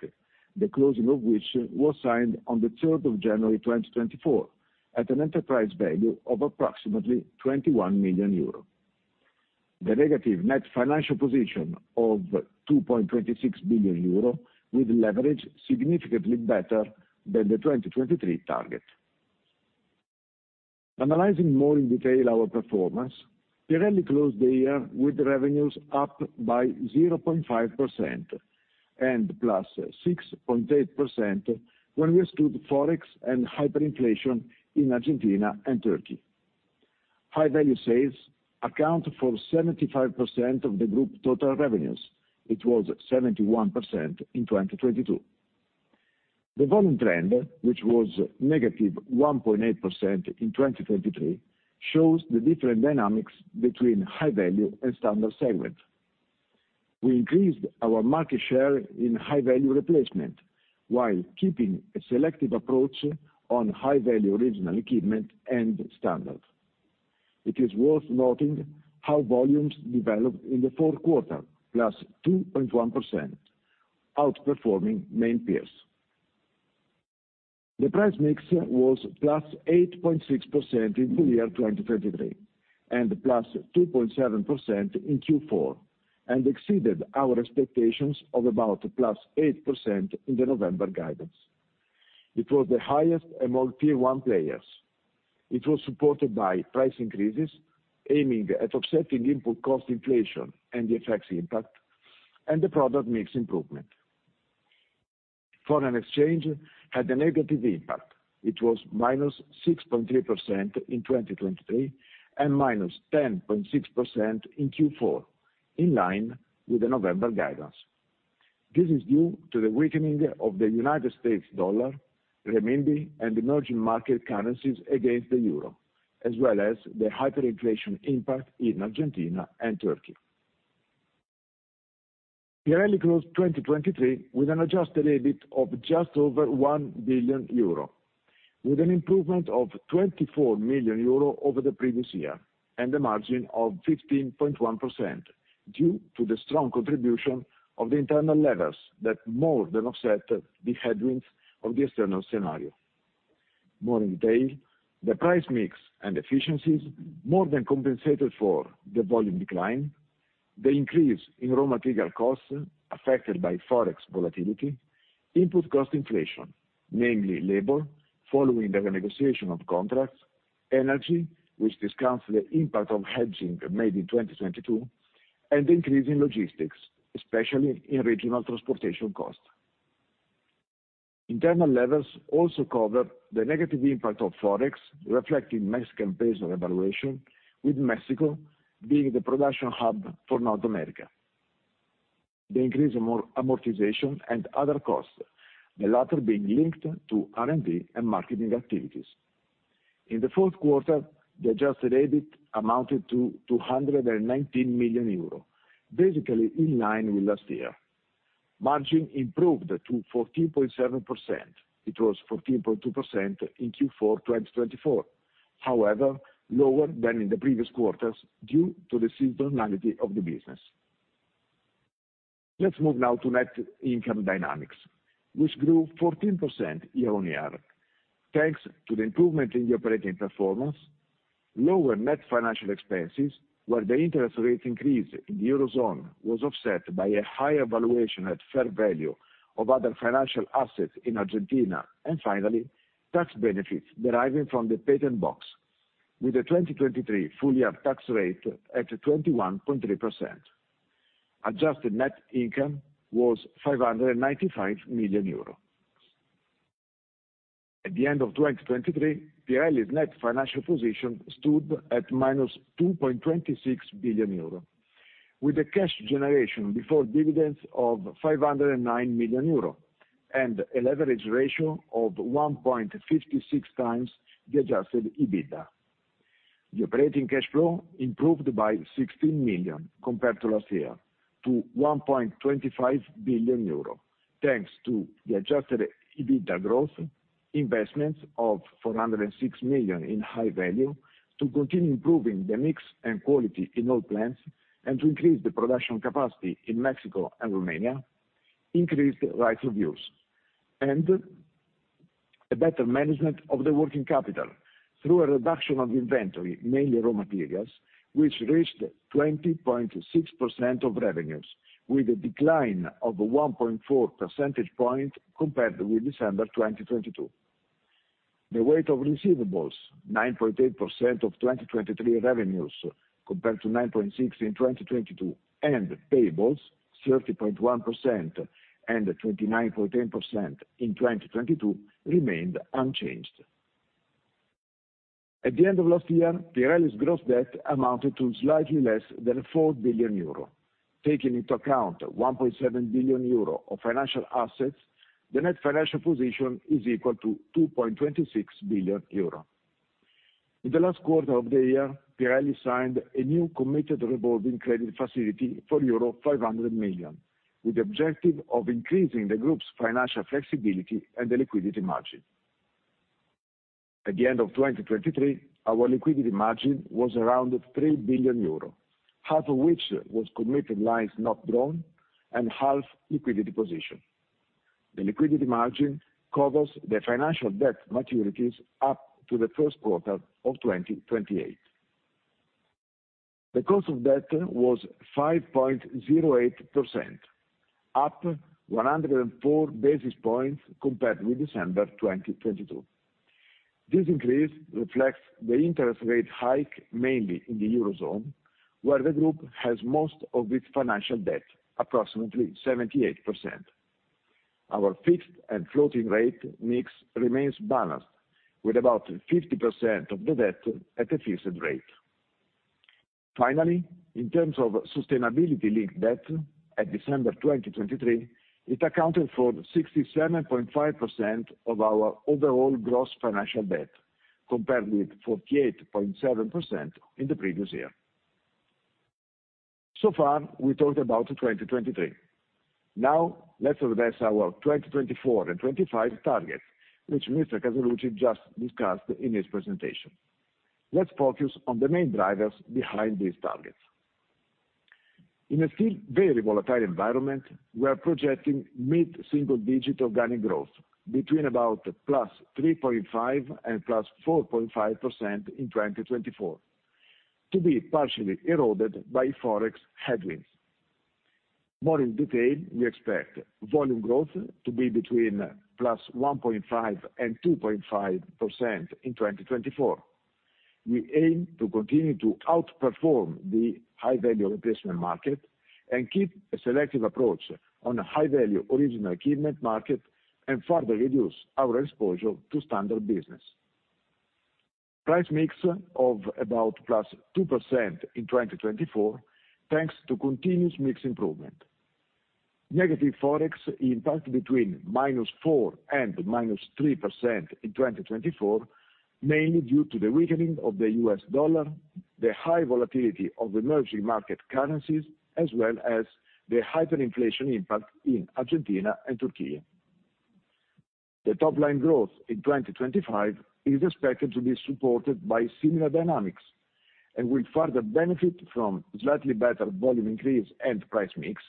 the closing of which was signed on the 3rd of January, 2024, at an enterprise value of approximately 21 million euro. The negative net financial position of 2.26 billion euro with leverage significantly better than the 2023 target. Analyzing more in detail our performance, Pirelli closed the year with revenues up by 0.5% and +6.8% when we exclude Forex and hyperinflation in Argentina and Turkey. High Value sales account for 75% of the group total revenues. It was 71% in 2022. The volume trend, which was -1.8% in 2023, shows the different dynamics between high-value and standard segments. We increased our market share in high-value replacement while keeping a selective approach on high-value original equipment and standard. It is worth noting how volumes developed in the fourth quarter +2.1%, outperforming main peers. The price mix was +8.6% in full year 2023 and +2.7% in Q4 and exceeded our expectations of about +8% in the November guidance. It was the highest among Tier 1 players. It was supported by price increases aiming at offsetting input cost inflation and the FX impact and the product mix improvement. Foreign exchange had a negative impact. It was -6.3% in 2023 and -10.6% in Q4 in line with the November guidance. This is due to the weakening of the United States dollar, renminbi, and emerging market currencies against the euro as well as the hyperinflation impact in Argentina and Turkey. Pirelli closed 2023 with an adjusted EBIT of just over 1 billion euro with an improvement of 24 million euro over the previous year and a margin of 15.1% due to the strong contribution of the internal levers that more than offset the headwinds of the external scenario. More in detail, the price mix and efficiencies more than compensated for the volume decline, the increase in raw material costs affected by Forex volatility, input cost inflation, namely labor following the renegotiation of contracts, energy, which discounts the impact of hedging made in 2022, and the increase in logistics, especially in regional transportation costs. Internal levers also cover the negative impact of Forex reflecting Mexican peso devaluation with Mexico being the production hub for North America. The increase in amortization and other costs, the latter being linked to R&D and marketing activities. In the fourth quarter, the adjusted EBIT amounted to 219 million euro, basically in line with last year. Margin improved to 14.7%. It was 14.2% in Q4 2024, however, lower than in the previous quarters due to the seasonality of the business. Let's move now to net income dynamics, which grew 14% year-over-year thanks to the improvement in the operating performance, lower net financial expenses where the interest rate increase in the eurozone was offset by a higher valuation at fair value of other financial assets in Argentina, and finally, tax benefits deriving from the Patent Box with a 2023 full year tax rate at 21.3%. Adjusted net income was 595 million euro. At the end of 2023, Pirelli's net financial position stood at -2.26 billion euro with a cash generation before dividends of 509 million euro and a leverage ratio of 1.56x the Adjusted EBITDA. The operating cash flow improved by 16 million compared to last year to 1.25 billion euro thanks to the Adjusted EBITDA growth, investments of 406 million in High Value to continue improving the mix and quality in all plants and to increase the production capacity in Mexico and Romania, increased right of use, and a better management of the working capital through a reduction of inventory, mainly raw materials, which reached 20.6% of revenues with a decline of 1.4 percentage point compared with December 2022. The weight of receivables, 9.8% of 2023 revenues compared to 9.6% in 2022, and payables, 30.1% and 29.8% in 2022, remained unchanged. At the end of last year, Pirelli's gross debt amounted to slightly less than 4 billion euro. Taking into account 1.7 billion euro of financial assets, the net financial position is equal to 2.26 billion euro. In the last quarter of the year, Pirelli signed a new committed revolving credit facility for euro 500 million with the objective of increasing the group's financial flexibility and the liquidity margin. At the end of 2023, our liquidity margin was around 3 billion euro, half of which was committed lines not drawn and half liquidity position. The liquidity margin covers the financial debt maturities up to the first quarter of 2028. The cost of debt was 5.08%, up 104 basis points compared with December 2022. This increase reflects the interest rate hike mainly in the eurozone where the group has most of its financial debt, approximately 78%. Our fixed and floating rate mix remains balanced with about 50% of the debt at a fixed rate. Finally, in terms of sustainability-linked debt, at December 2023, it accounted for 67.5% of our overall gross financial debt compared with 48.7% in the previous year. So far, we talked about 2023. Now, let's address our 2024 and 2025 targets, which Mr. Casaluci just discussed in his presentation. Let's focus on the main drivers behind these targets. In a still very volatile environment, we are projecting mid-single digit organic growth between about +3.5% and +4.5% in 2024 to be partially eroded by Forex headwinds. More in detail, we expect volume growth to be between +1.5% and 2.5% in 2024. We aim to continue to outperform the high-value replacement market and keep a selective approach on high-value original equipment market and further reduce our exposure to standard business. Price mix of about +2% in 2024 thanks to continuous mix improvement. Negative Forex impact between -4% and -3% in 2024 mainly due to the weakening of the U.S. dollar, the high volatility of emerging market currencies, as well as the hyperinflation impact in Argentina and Turkey. The top-line growth in 2025 is expected to be supported by similar dynamics and will further benefit from slightly better volume increase and price mix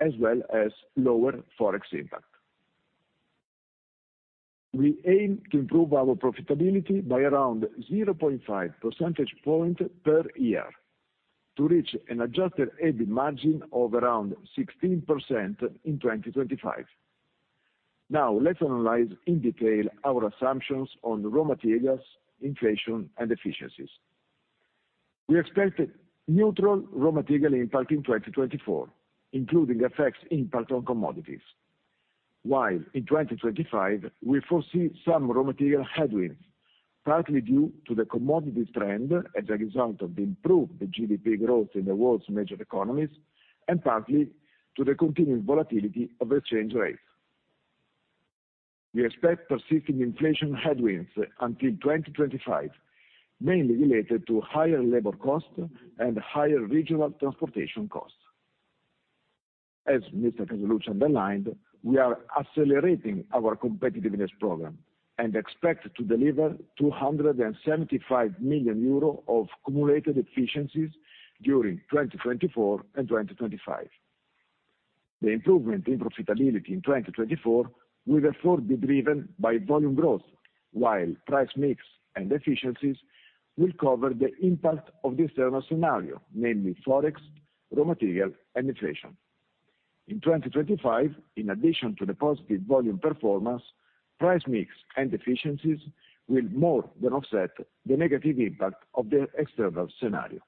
as well as lower Forex impact. We aim to improve our profitability by around 0.5 percentage point per year to reach an Adjusted EBIT margin of around 16% in 2025. Now, let's analyze in detail our assumptions on raw materials, inflation, and efficiencies. We expect neutral raw material impact in 2024 including effects impact on commodities while in 2025, we foresee some raw material headwinds partly due to the commodity trend as a result of the improved GDP growth in the world's major economies and partly to the continued volatility of exchange rates. We expect persisting inflation headwinds until 2025 mainly related to higher labor costs and higher regional transportation costs. As Mr. Casaluci underlined, we are accelerating our competitiveness program and expect to deliver 275 million euro of cumulated efficiencies during 2024 and 2025. The improvement in profitability in 2024 will therefore be driven by volume growth while price mix and efficiencies will cover the impact of the external scenario, namely Forex, raw material, and inflation. In 2025, in addition to the positive volume performance, price mix and efficiencies will more than offset the negative impact of the external scenario.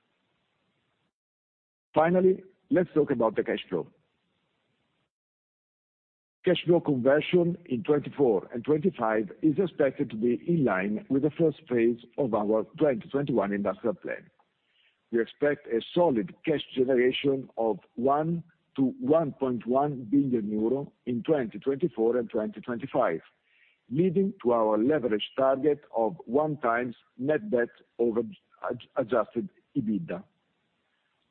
Finally, let's talk about the cash flow. Cash flow conversion in 2024 and 2025 is expected to be in line with the first phase of our 2021 industrial plan. We expect a solid cash generation of 1 billion-1.1 billion euro in 2024 and 2025 leading to our leverage target of 1x net debt over Adjusted EBITDA.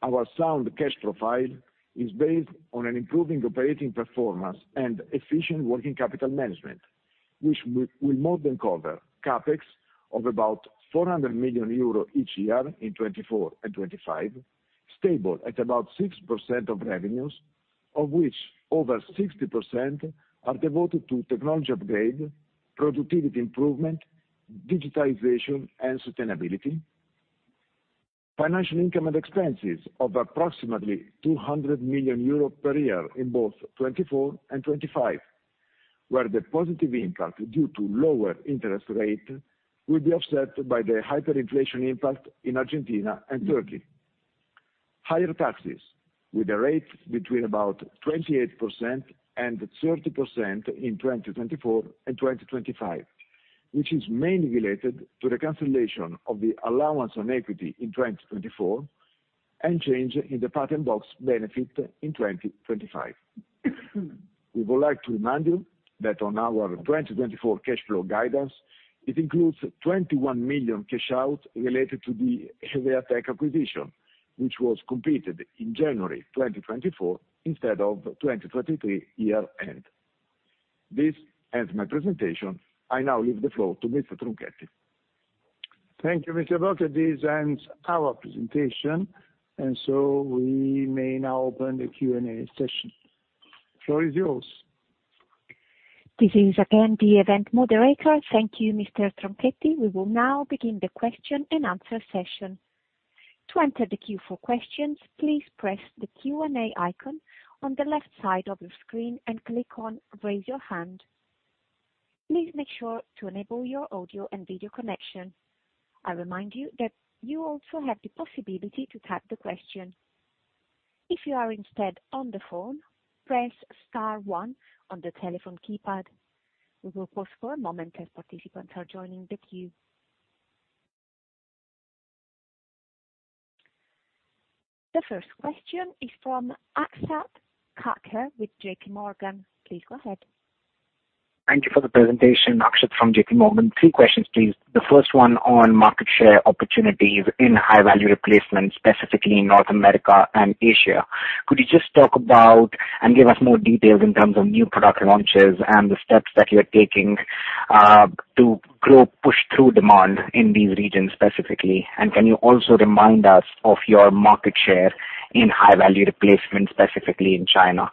Our sound cash profile is based on an improving operating performance and efficient working capital management which will more than cover CapEx of about 400 million euro each year in 2024 and 2025 stable at about 6% of revenues of which over 60% are devoted to technology upgrade, productivity improvement, digitalization, and sustainability. Financial income and expenses of approximately 200 million euros per year in both 2024 and 2025 where the positive impact due to lower interest rate will be offset by the hyperinflation impact in Argentina and Turkey. Higher taxes with a rate between about 28%-30% in 2024 and 2025, which is mainly related to the cancellation of the allowance on equity in 2024 and change in the Patent Box benefit in 2025. We would like to remind you that on our 2024 cash flow guidance, it includes 21 million cash out related to the Hevea-Tec acquisition, which was completed in January 2024 instead of 2023 year-end. This ends my presentation. I now leave the floor to Mr. Tronchetti. Thank you, Mr. Bocchio. This ends our presentation, and so we may now open the Q&A session. The floor is yours. This is again the event moderator. Thank you, Mr. Tronchetti. We will now begin the question and answer session. To enter the queue for questions, please press the Q&A icon on the left side of your screen and click on raise your hand. Please make sure to enable your audio and video connection. I remind you that you also have the possibility to type the question. If you are instead on the phone, press star one on the telephone keypad. We will pause for a moment as participants are joining the queue. The first question is from Akshat Kacker with JP Morgan. Please go ahead. Thank you for the presentation, Akshat from JP Morgan. Three questions, please. The first one on market share opportunities in high-value replacement specifically in North America and Asia. Could you just talk about and give us more details in terms of new product launches and the steps that you are taking to grow push-through demand in these regions specifically? And can you also remind us of your market share in high-value replacement specifically in China?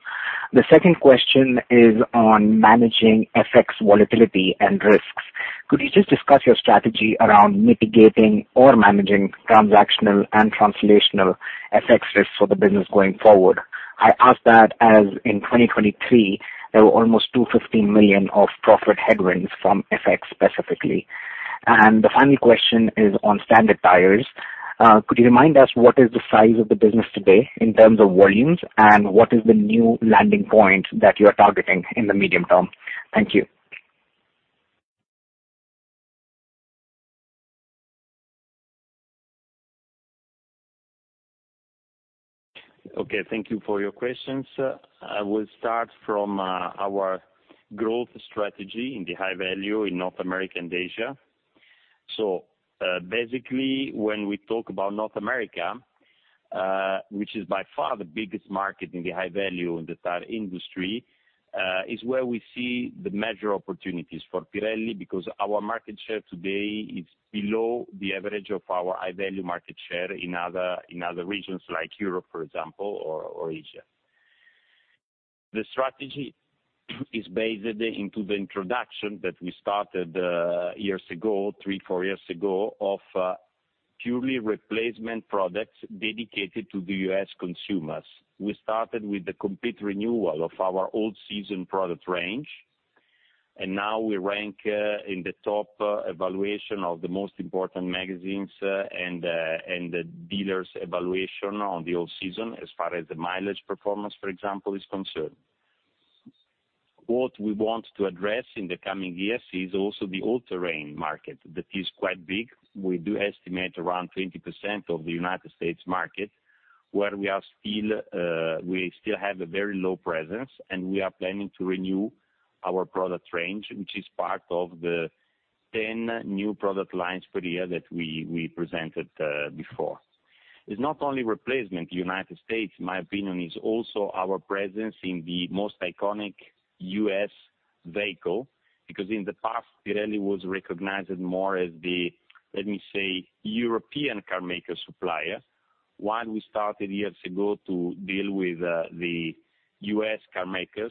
The second question is on managing effects volatility and risks. Could you just discuss your strategy around mitigating or managing transactional and translational effects risks for the business going forward? I ask that as in 2023, there were almost 215 million of profit headwinds from effects specifically. The final question is on Standard tires. Could you remind us what is the size of the business today in terms of volumes and what is the new landing point that you are targeting in the medium term? Thank you. Okay. Thank you for your questions. I will start from our growth strategy in the High Value in North America and Asia. So basically, when we talk about North America, which is by far the biggest market in the High Value in the tire industry, is where we see the major opportunities for Pirelli because our market share today is below the average of our High-Value market share in other regions like Europe, for example, or Asia. The strategy is based into the introduction that we started years ago, 3, 4 years ago of purely replacement products dedicated to the U.S. consumers. We started with the complete renewal of our all-season product range and now we rank in the top evaluation of the most important magazines and dealers' evaluation on the all-season as far as the mileage performance, for example, is concerned. What we want to address in the coming years is also the all-terrain market that is quite big. We do estimate around 20% of the United States market where we still have a very low presence and we are planning to renew our product range which is part of the 10 new product lines per year that we presented before. It's not only replacement. The United States, in my opinion, is also our presence in the most iconic U.S. vehicle because in the past, Pirelli was recognized more as the, let me say, European carmaker supplier while we started years ago to deal with the U.S. carmakers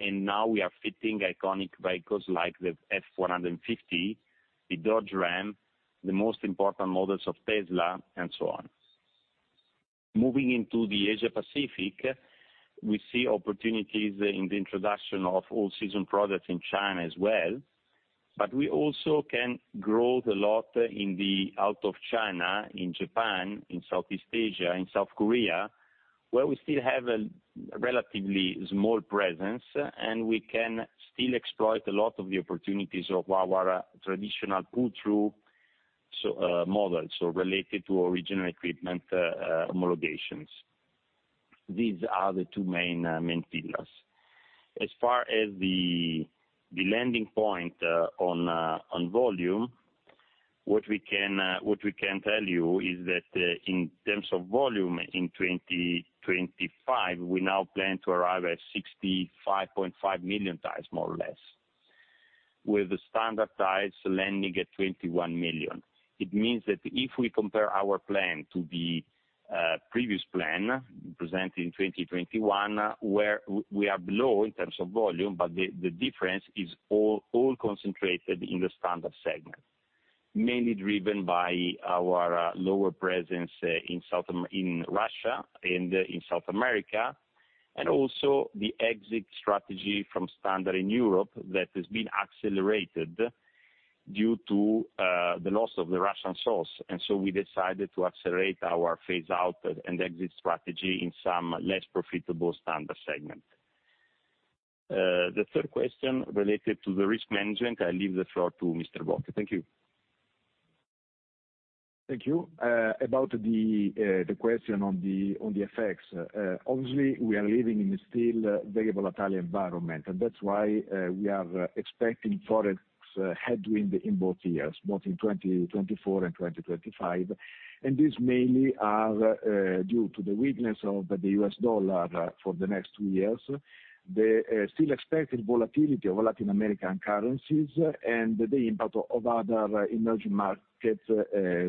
and now we are fitting iconic vehicles like the F-150, the Dodge Ram, the most important models of Tesla, and so on. Moving into the Asia-Pacific, we see opportunities in the introduction of all-season products in China as well, but we also can grow a lot out of China, in Japan, in Southeast Asia, in South Korea where we still have a relatively small presence and we can still exploit a lot of the opportunities of our traditional pull-through models related to original equipment homologations. These are the two main pillars. As far as the landing point on volume, what we can tell you is that in terms of volume in 2025, we now plan to arrive at 65.5 million tires more or less with the standard tires landing at 21 million. It means that if we compare our plan to the previous plan presented in 2021 where we are below in terms of volume but the difference is all concentrated in the standard segment mainly driven by our lower presence in Russia and in South America and also the exit strategy from standard in Europe that has been accelerated due to the loss of the Russian source and so we decided to accelerate our phase-out and exit strategy in some less profitable standard segment. The third question related to the risk management, I leave the floor to Mr. Bocchio. Thank you. Thank you. About the question on the FX, obviously, we are living in a still very volatile environment and that's why we are expecting Forex headwind in both years, both in 2024 and 2025 and these mainly are due to the weakness of the U.S. dollar for the next two years, the still expected volatility of Latin American currencies, and the impact of other emerging markets'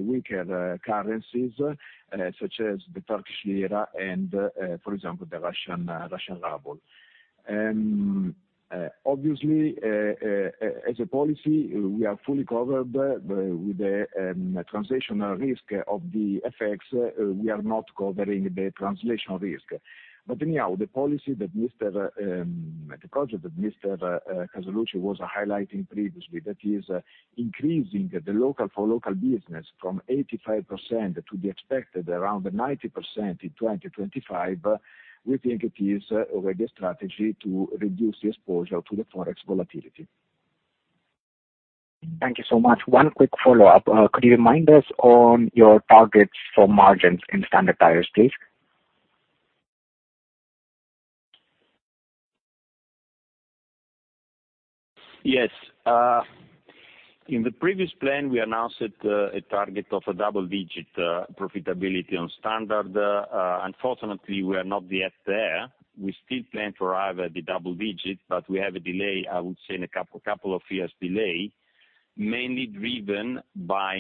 weaker currencies such as the Turkish lira and, for example, the Russian ruble. Obviously, as a policy, we are fully covered with the transactional risk of the FX. We are not covering the translation risk but anyhow, the policy that the project that Mr. Casaluci was highlighting previously that is increasing the local for local business from 85% to the expected around 90% in 2025, we think it is already a strategy to reduce the exposure to the Forex volatility. Thank you so much. One quick follow-up. Could you remind us on your targets for margins in standard tires, please? Yes. In the previous plan, we announced a target of a double-digit profitability on standard. Unfortunately, we are not yet there. We still plan to arrive at the double-digit but we have a delay, I would say, a couple of years delay mainly driven by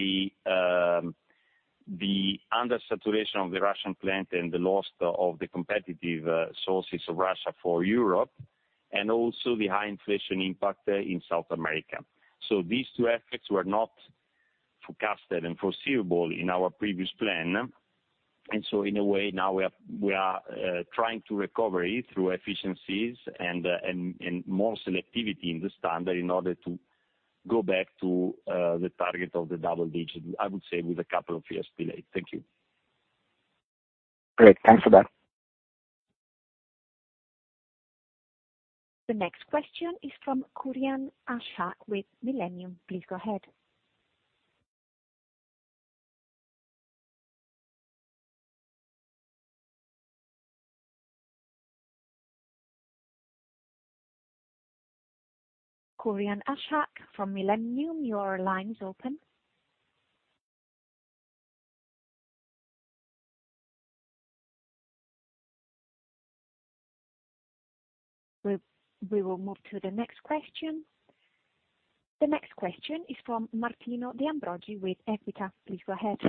the undersaturation of the Russian plant and the loss of the competitive sources of Russia for Europe and also the high inflation impact in South America. So these two effects were not forecasted and foreseeable in our previous plan and so in a way, now we are trying to recover it through efficiencies and more selectivity in the standard in order to go back to the target of the double-digit, I would say, with a couple of years delay. Thank you. Great. Thanks for that. The next question is from Ashik Kurian with Millennium. Please go ahead. Ashik Kurian from Millennium. Your line's open. We will move to the next question. The next question is from Martino De Ambroggi with Equita. Please go ahead.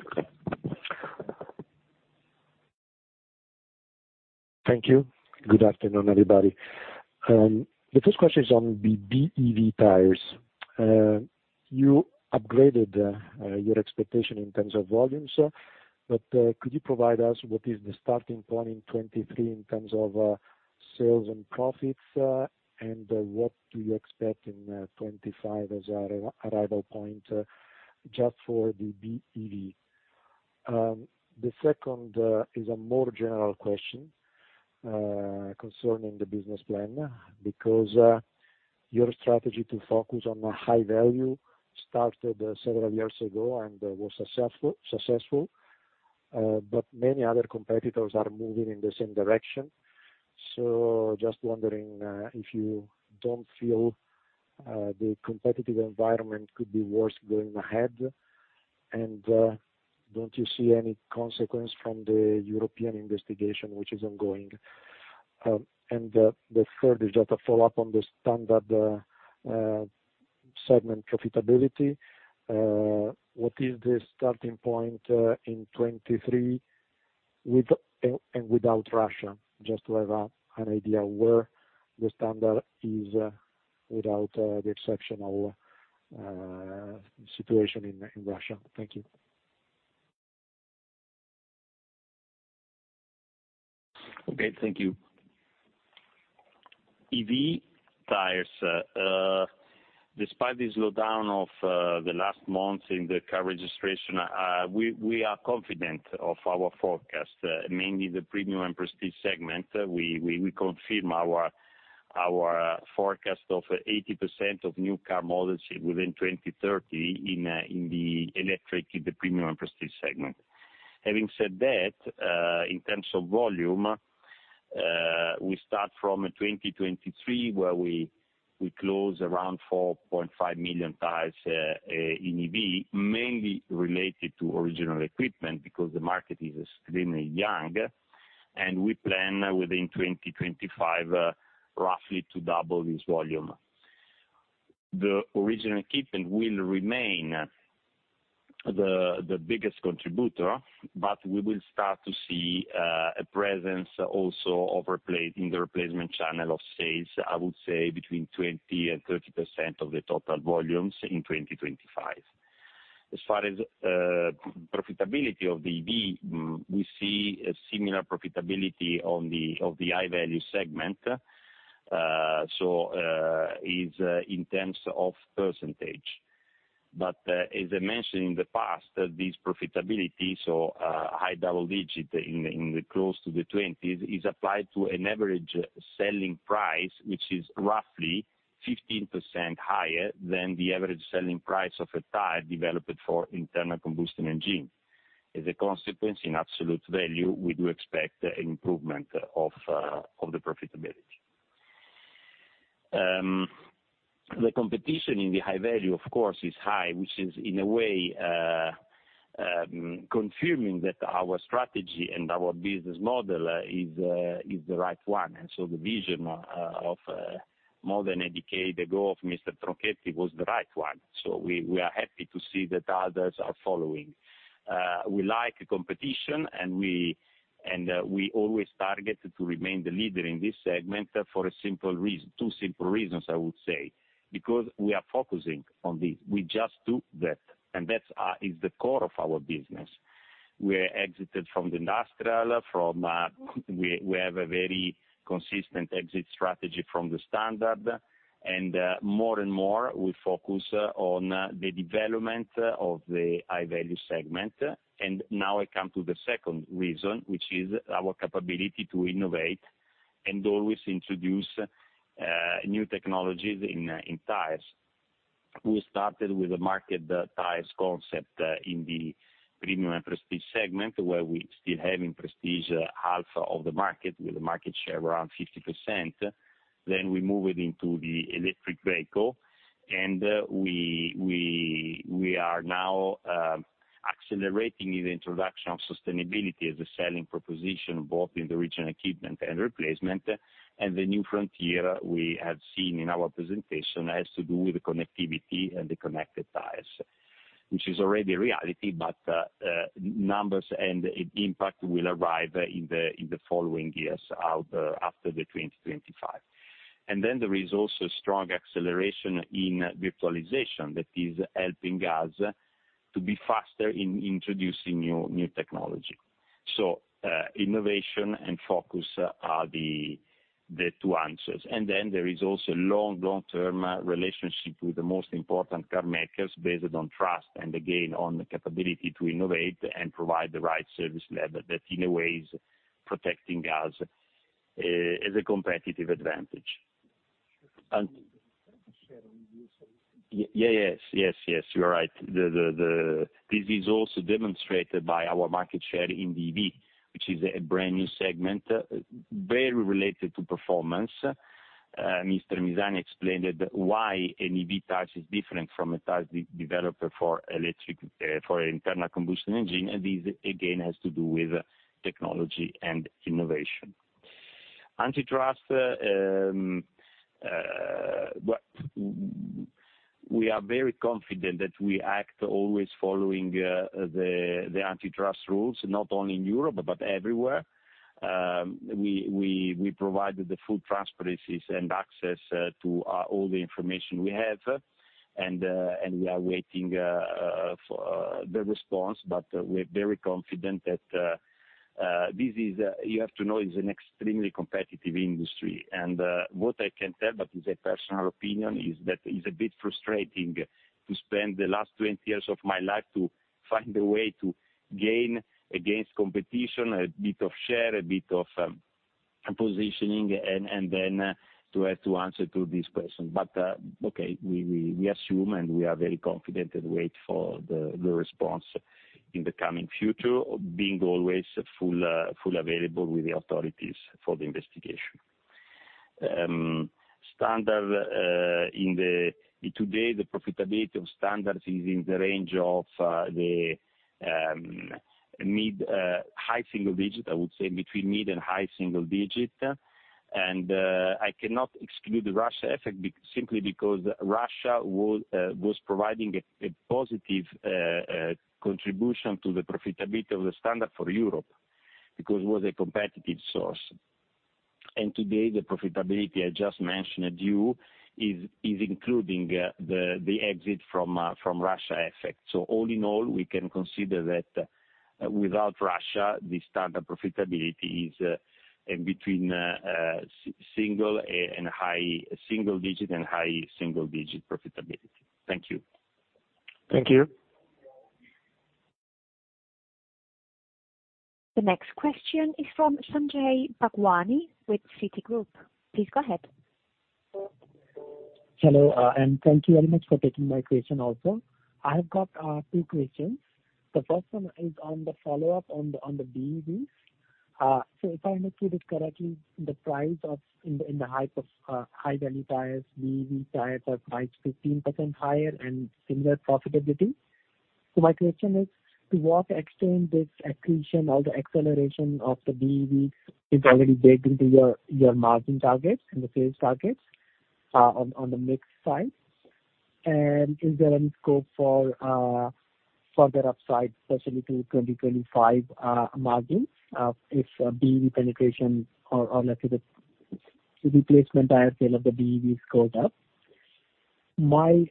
Thank you. Good afternoon, everybody. The first question is on the BEV tires. You upgraded your expectation in terms of volumes but could you provide us what is the starting point in 2023 in terms of sales and profits and what do you expect in 2025 as an arrival point just for the BEV? The second is a more general question concerning the business plan because your strategy to focus on High Value started several years ago and was successful but many other competitors are moving in the same direction. So just wondering if you don't feel the competitive environment could be worse going ahead and don't you see any consequence from the European investigation which is ongoing? The third is just a follow-up on the standard segment profitability. What is the starting point in 2023 with and without Russia? Just to have an idea where the standard is without the exceptional situation in Russia. Thank you. Okay. Thank you. EV tires, despite the slowdown of the last months in the car registration, we are confident of our forecast mainly the premium and prestige segment. We confirm our forecast of 80% of new car models within 2030 in the electric in the premium and prestige segment. Having said that, in terms of volume, we start from 2023 where we close around 4.5 million tires in EV mainly related to original equipment because the market is extremely young and we plan within 2025 roughly to double this volume. The original equipment will remain the biggest contributor but we will start to see a presence also in the replacement channel of sales, I would say, between 20% and 30% of the total volumes in 2025. As far as profitability of the EV, we see a similar profitability of the high-value segment so in terms of percentage but as I mentioned in the past, this profitability, so high double-digit in the close to the 20s, is applied to an average selling price which is roughly 15% higher than the average selling price of a tire developed for internal combustion engine. As a consequence, in absolute value, we do expect an improvement of the profitability. The competition in the High Value, of course, is high which is in a way confirming that our strategy and our business model is the right one and so the vision of more than a decade ago of Mr. Tronchetti was the right one. So we are happy to see that others are following. We like competition and we always target to remain the leader in this segment for two simple reasons, I would say, because we are focusing on this. We just do that and that is the core of our business. We exited from the industrial. We have a very consistent exit strategy from the Standard and more and more, we focus on the development of the High Value segment and now I come to the second reason which is our capability to innovate and always introduce new technologies in tires. We started with a marked tires concept in the premium and prestige segment where we still have in prestige half of the market with a market share around 50%. Then we move it into the electric vehicle and we are now accelerating the introduction of sustainability as a selling proposition both in the Original Equipment and replacement and the new frontier we have seen in our presentation has to do with the connectivity and the connected tires which is already a reality but numbers and impact will arrive in the following years after 2025. And then there is also a strong acceleration in virtualization that is helping us to be faster in introducing new technology. So innovation and focus are the two answers, and then there is also a long, long-term relationship with the most important carmakers based on trust and, again, on the capability to innovate and provide the right service level that in a way is protecting us as a competitive advantage. Yeah, yes, yes, yes. You're right. This is also demonstrated by our market share in the EV, which is a brand new segment very related to performance. Mr. Misani explained why an EV tire is different from a tire developer for an internal combustion engine, and this, again, has to do with technology and innovation. Antitrust, we are very confident that we act always following the antitrust rules not only in Europe but everywhere. We provide the full transparency and access to all the information we have and we are waiting for the response, but we're very confident that this is. You have to know it's an extremely competitive industry and what I can tell, but it's a personal opinion, is that it's a bit frustrating to spend the last 20 years of my life to find a way to gain against competition a bit of share, a bit of positioning, and then to have to answer to this question. But okay, we assume and we are very confident and wait for the response in the coming future, being always full available with the authorities for the investigation. Standard in the today, the profitability of standards is in the range of the mid-high single-digit, I would say, between mid- and high single-digit and I cannot exclude the Russia effect simply because Russia was providing a positive contribution to the profitability of the standard for Europe because it was a competitive source and today, the profitability I just mentioned to you is including the exit from Russia effect. So all in all, we can consider that without Russia, the standard profitability is in between single- and high single-digit and high single-digit profitability. Thank you. Thank you. The next question is from Sanjay Bhagwani with Citigroup. Please go ahead. Hello and thank you very much for taking my question also. I have got two questions. The first one is on the follow-up on the BEVs. So if I understood it correctly, the price of in the hype of high-value tires, BEV tires are priced 15% higher and similar profitability. So my question is to what extent this accretion, all the acceleration of the BEVs is already baked into your margin targets and the sales targets on the mixed side and is there any scope for further upside especially to 2025 margins if BEV penetration or, let's say, the replacement tire sale of the BEVs goes up? My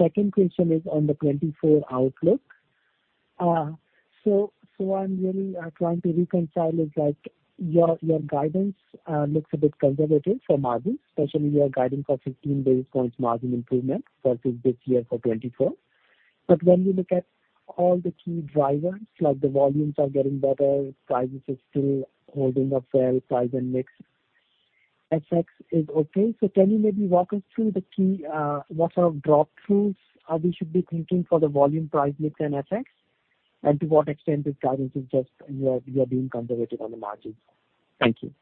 second question is on the 2024 outlook. So what I'm really trying to reconcile is your guidance looks a bit conservative for margins especially your guiding for 15 basis points margin improvement versus this year for 2024 but when you look at all the key drivers like the volumes are getting better, prices are still holding up well, price and mix effects is okay. So can you maybe walk us through the key what sort of drop-throughs we should be thinking for the volume, price, mix, and effects and to what extent this guidance is just you are being conservative on the margins? Thank you.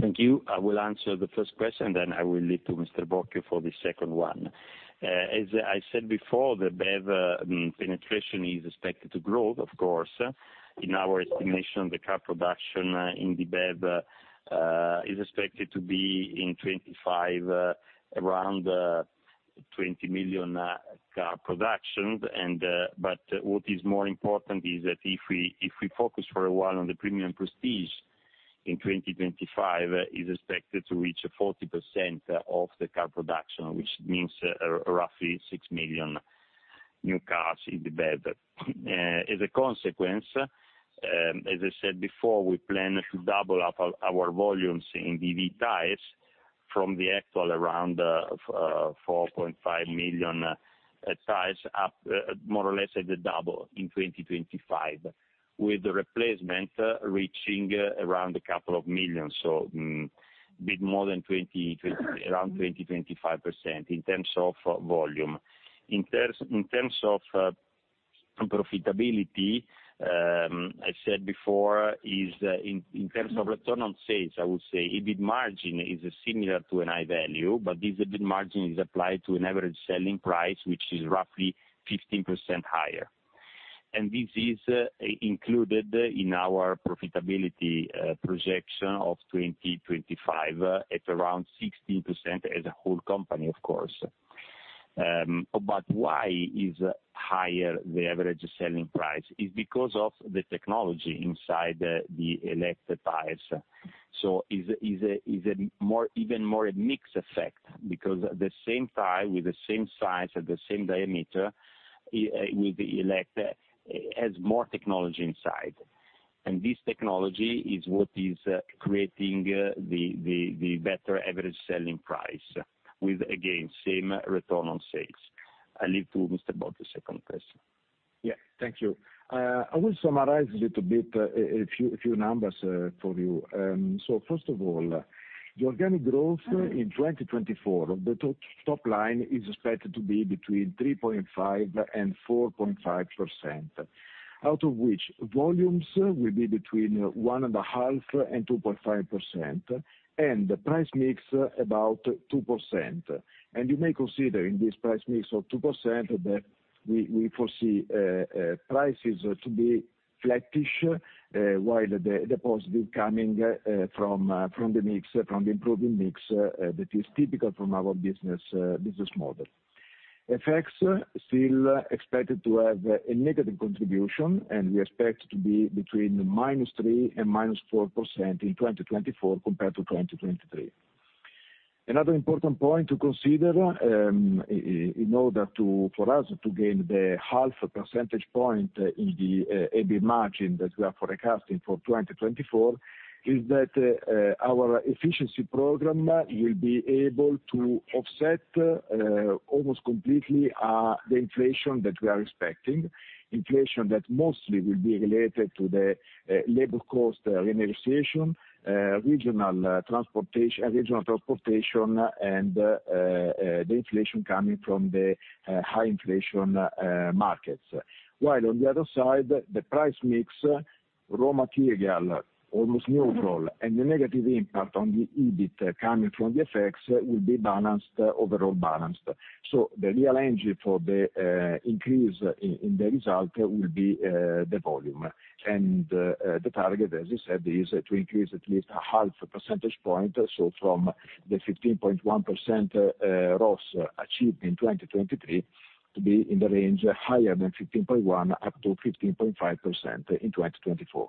Thank you. I will answer the first question then I will leave to Mr. Bocchio for the second one. As I said before, the BEV penetration is expected to grow, of course. In our estimation, the car production in the BEV is expected to be in 2025 around 20 million car production but what is more important is that if we focus for a while on the premium and prestige in 2025 is expected to reach 40% of the car production which means roughly 6 million new cars in the BEV. As a consequence, as I said before, we plan to double up our volumes in BEV tires from the actual around 4.5 million tires up more or less at the double in 2025 with the replacement reaching around a couple of million so a bit more than around 20%-25% in terms of volume. In terms of profitability, I said before, is in terms of return on sales, I would say, EBIT margin is similar to a High Value but this EBIT margin is applied to an average selling price which is roughly 15% higher and this is included in our profitability projection of 2025 at around 16% as a whole company, of course. But why is higher the average selling price? It's because of the technology inside the electric tires. It's even more a mix effect because the same tire with the same size and the same diameter with the electric has more technology inside and this technology is what is creating the better average selling price with, again, same return on sales. I leave to Mr. Bocchio second question. Yeah. Thank you. I will summarize a little bit, a few numbers for you. First of all, the organic growth in 2024, the top line is expected to be between 3.5%-4.5% out of which volumes will be between 1.5%-2.5% and the price mix about 2% and you may consider in this price mix of 2% that we foresee prices to be flatish while the positive coming from the mix, from the improving mix that is typical from our business model. Effects still expected to have a negative contribution and we expect to be between -3% and -4% in 2024 compared to 2023. Another important point to consider in order for us to gain the 0.5 percentage point in the EBIT margin that we are forecasting for 2024 is that our efficiency program will be able to offset almost completely the inflation that we are expecting, inflation that mostly will be related to the labor cost renegotiation, regional transportation and the inflation coming from the high inflation markets while on the other side, the price mix, raw material almost neutral, and the negative impact on the EBIT coming from the effects will be balanced, overall balanced. So the real engine for the increase in the result will be the volume and the target, as I said, is to increase at least a half percentage point so from the 15.1% gross achievement in 2023 to be in the range higher than 15.1% up to 15.5% in 2024.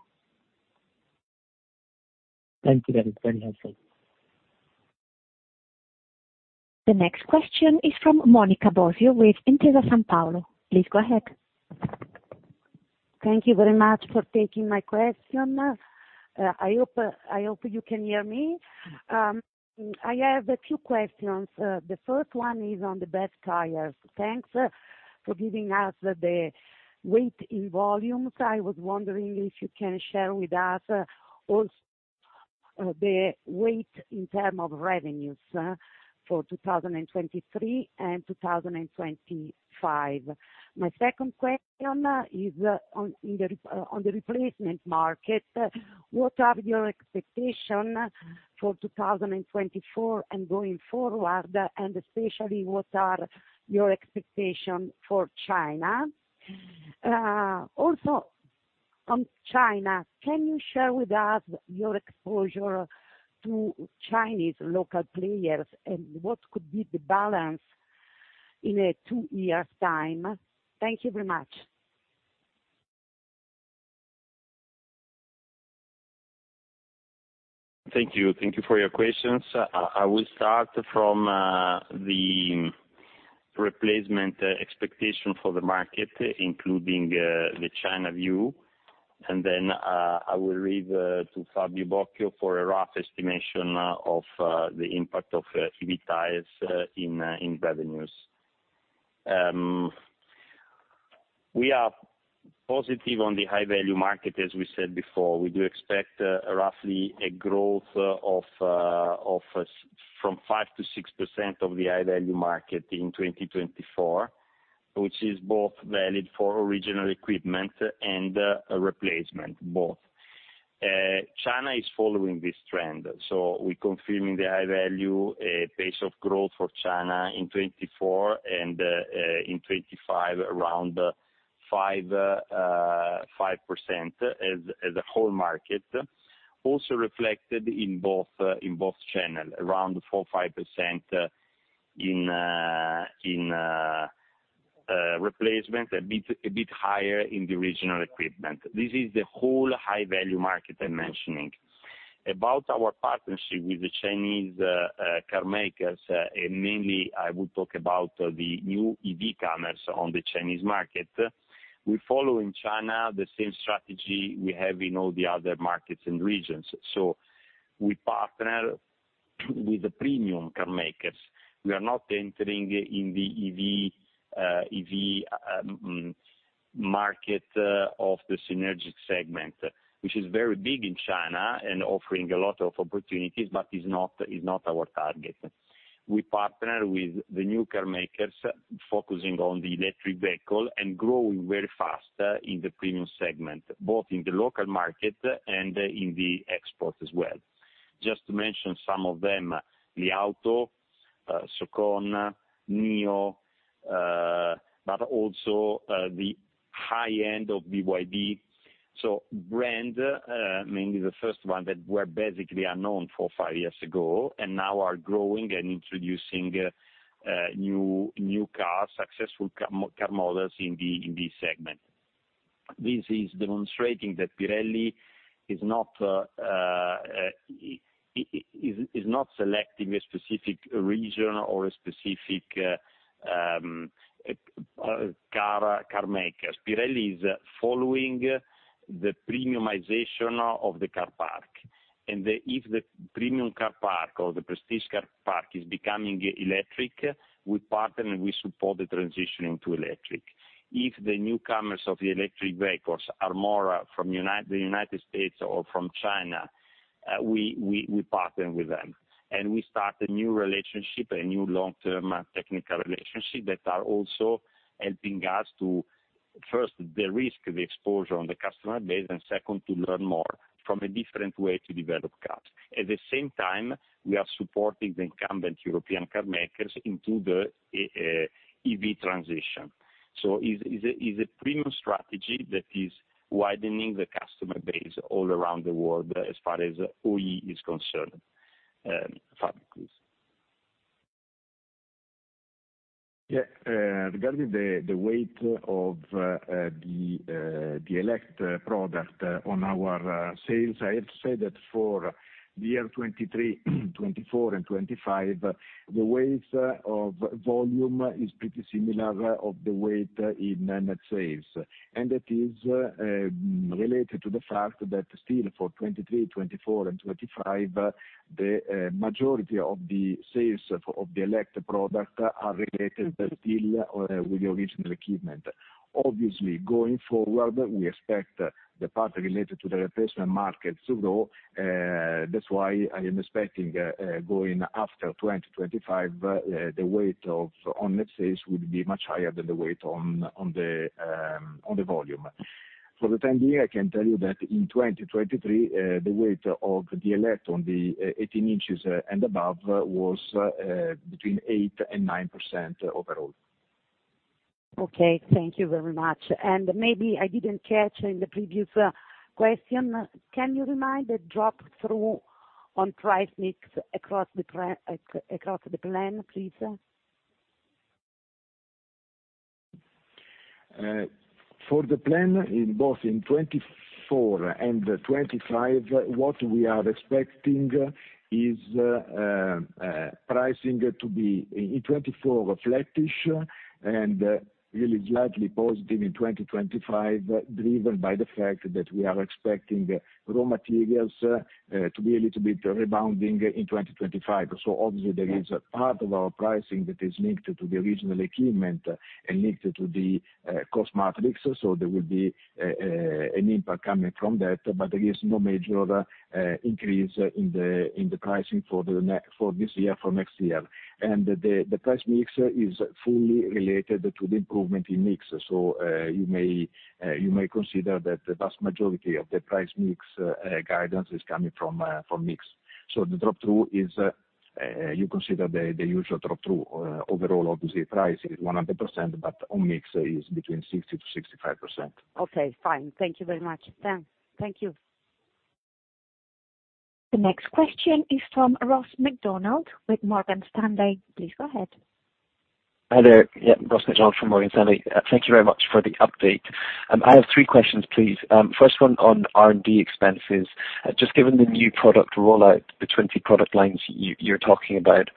Thank you. That is very helpful. The next question is from Monica Bosio with Intesa Sanpaolo. Please go ahead. Thank you very much for taking my question. I hope you can hear me. I have a few questions. The first one is on the BEV tires. Thanks for giving us the weight in volumes. I was wondering if you can share with us the weight in terms of revenues for 2023 and 2025. My second question is on the replacement market. What are your expectations for 2024 and going forward and especially what are your expectations for China? Also on China, can you share with us your exposure to Chinese local players and what could be the balance in a two-year time? Thank you very much. Thank you. Thank you for your questions. I will start from the replacement expectation for the market including the China view and then I will leave to Fabio Bocchio for a rough estimation of the impact of EV tires in revenues. We are positive on the high-value market as we said before. We do expect roughly a growth from 5%-6% of the high-value market in 2024 which is both valid for original equipment and replacement, both. China is following this trend, so we confirm in the High Value a pace of growth for China in 2024 and in 2025 around 5% as a whole market, also reflected in both channels, around 4-5% in replacement, a bit higher in the OE. This is the whole High Value market I'm mentioning. About our partnership with the Chinese carmakers and mainly I would talk about the new EV comers on the Chinese market, we follow in China the same strategy we have in all the other markets and regions. So we partner with the premium carmakers. We are not entering in the EV market of the synergic segment which is very big in China and offering a lot of opportunities but is not our target. We partner with the new carmakers focusing on the electric vehicle and growing very fast in the premium segment both in the local market and in the export as well. Just to mention some of them, Li Auto, Xiaomi, Nio but also the high-end of BYD. So brand, mainly the first one that were basically unknown four, five years ago and now are growing and introducing new cars, successful car models in this segment. This is demonstrating that Pirelli is not selecting a specific region or a specific car maker. Pirelli is following the premiumization of the car park and if the premium car park or the prestige car park is becoming electric, we partner and we support the transitioning to electric. If the newcomers of the electric vehicles are more from the United States or from China, we partner with them and we start a new relationship, a new long-term technical relationship that are also helping us to first, the risk, the exposure on the customer base and second, to learn more from a different way to develop cars. At the same time, we are supporting the incumbent European carmakers into the EV transition. So it's a premium strategy that is widening the customer base all around the world as far as OE is concerned, Fabio, please. Yeah. Regarding the weight of the electric product on our sales, I have to say that for the year 2023, 2024, and 2025, the weight of volume is pretty similar of the weight in net sales and it is related to the fact that still for 2023, 2024, and 2025, the majority of the sales of the electric product are related still with the original equipment. Obviously, going forward, we expect the part related to the replacement market to grow, that's why I am expecting going after 2025, the weight on net sales would be much higher than the weight on the volume. For the time being, I can tell you that in 2023, the weight of the electric on the 18 inches and above was between 8%-9% overall. Okay. Thank you very much. Maybe I didn't catch in the previous question. Can you remind the pull-through on price mix across the plan please? For the plan, both in 2024 and 2025, what we are expecting is pricing to be in 2024 flatish and really slightly positive in 2025 driven by the fact that we are expecting raw materials to be a little bit rebounding in 2025. So obviously, there is part of our pricing that is linked to the original equipment and linked to the cost matrix so there will be an impact coming from that but there is no major increase in the pricing for this year, for next year and the price mix is fully related to the improvement in mix so you may consider that the vast majority of the price mix guidance is coming from mix. So the pull-through is you consider the usual pull-through overall, obviously, price is 100% but on mix is between 60%-65%. Okay. Fine. Thank you very much. Thank you. The next question is from Ross MacDonald with Morgan Stanley. Please go ahead. Hi there. Yeah. Ross MacDonald from Morgan Stanley. Thank you very much for the update. I have three questions please. First one on R&D expenses. Just given the new product rollout, the 20 product lines you're talking about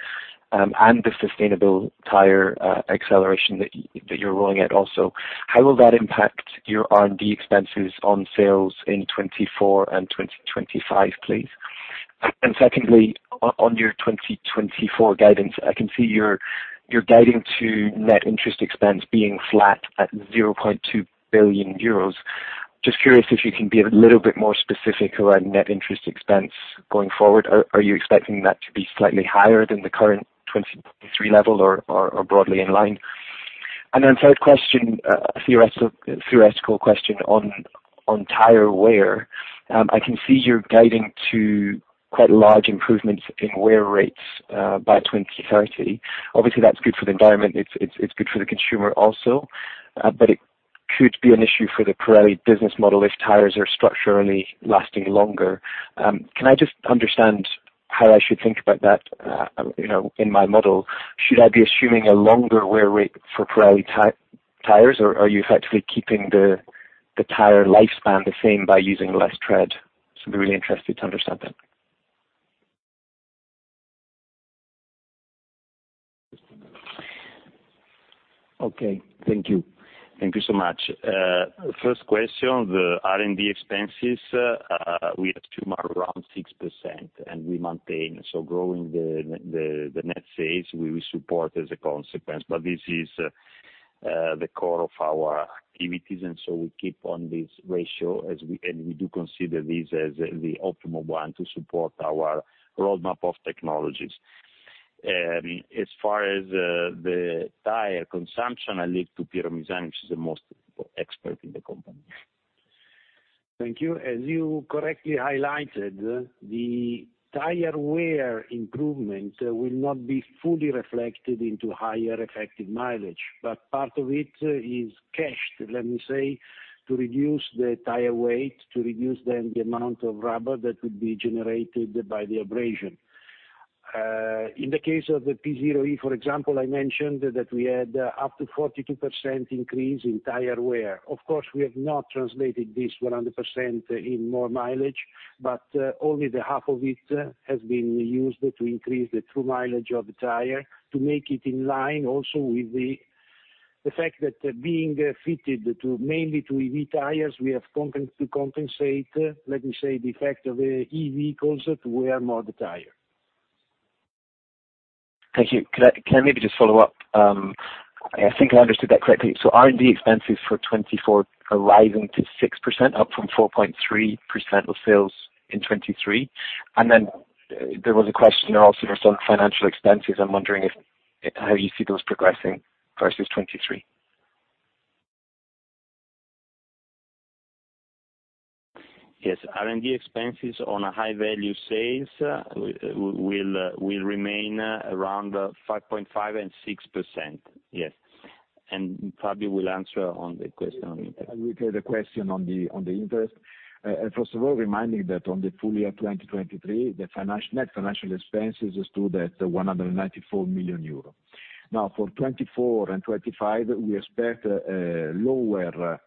and the sustainable tire acceleration that you're rolling out also, how will that impact your R&D expenses on sales in 2024 and 2025 please? And secondly, on your 2024 guidance, I can see you're guiding to net interest expense being flat at 0.2 billion euros. Just curious if you can be a little bit more specific around net interest expense going forward. Are you expecting that to be slightly higher than the current 2023 level or broadly in line? And then third question, a theoretical question on tire wear. I can see you're guiding to quite large improvements in wear rates by 2030. Obviously, that's good for the environment. It's good for the consumer also but it could be an issue for the Pirelli business model if tires are structurally lasting longer. Can I just understand how I should think about that in my model? Should I be assuming a longer wear rate for Pirelli tires or are you effectively keeping the tire lifespan the same by using less tread? So I'd be really interested to understand that. Okay. Thank you. Thank you so much. First question, the R&D expenses, we assume are around 6% and we maintain. So growing the net sales, we support as a consequence but this is the core of our activities and so we keep on this ratio and we do consider this as the optimal one to support our roadmap of technologies. As far as the tire consumption, I leave to Pierangelo Misani which is the most expert in the company. Thank you. As you correctly highlighted, the tire wear improvement will not be fully reflected into higher effective mileage but part of it is cached, let me say, to reduce the tire weight, to reduce then the amount of rubber that would be generated by the abrasion. In the case of the P Zero E, for example, I mentioned that we had up to 42% increase in tire wear. Of course, we have not translated this 100% in more mileage, but only the half of it has been used to increase the true mileage of the tire to make it in line also with the fact that, being fitted mainly to EV tires, we have to compensate, let me say, the effect of EV vehicles to wear more of the tire. Thank you. Can I maybe just follow up? I think I understood that correctly. So R&D expenses for 2024 are rising to 6%, up from 4.3% of sales in 2023, and then there was a question also from some financial expenses. I'm wondering how you see those progressing versus 2023? Yes. R&D expenses on a High Value sales will remain around 5.5%-6%. Yes. And Fabio will answer on the question on interest. I will take the question on the interest. First of all, reminding that on the full year 2023, the net financial expenses stood at 194 million euro. Now for 2024 and 2025, we expect lower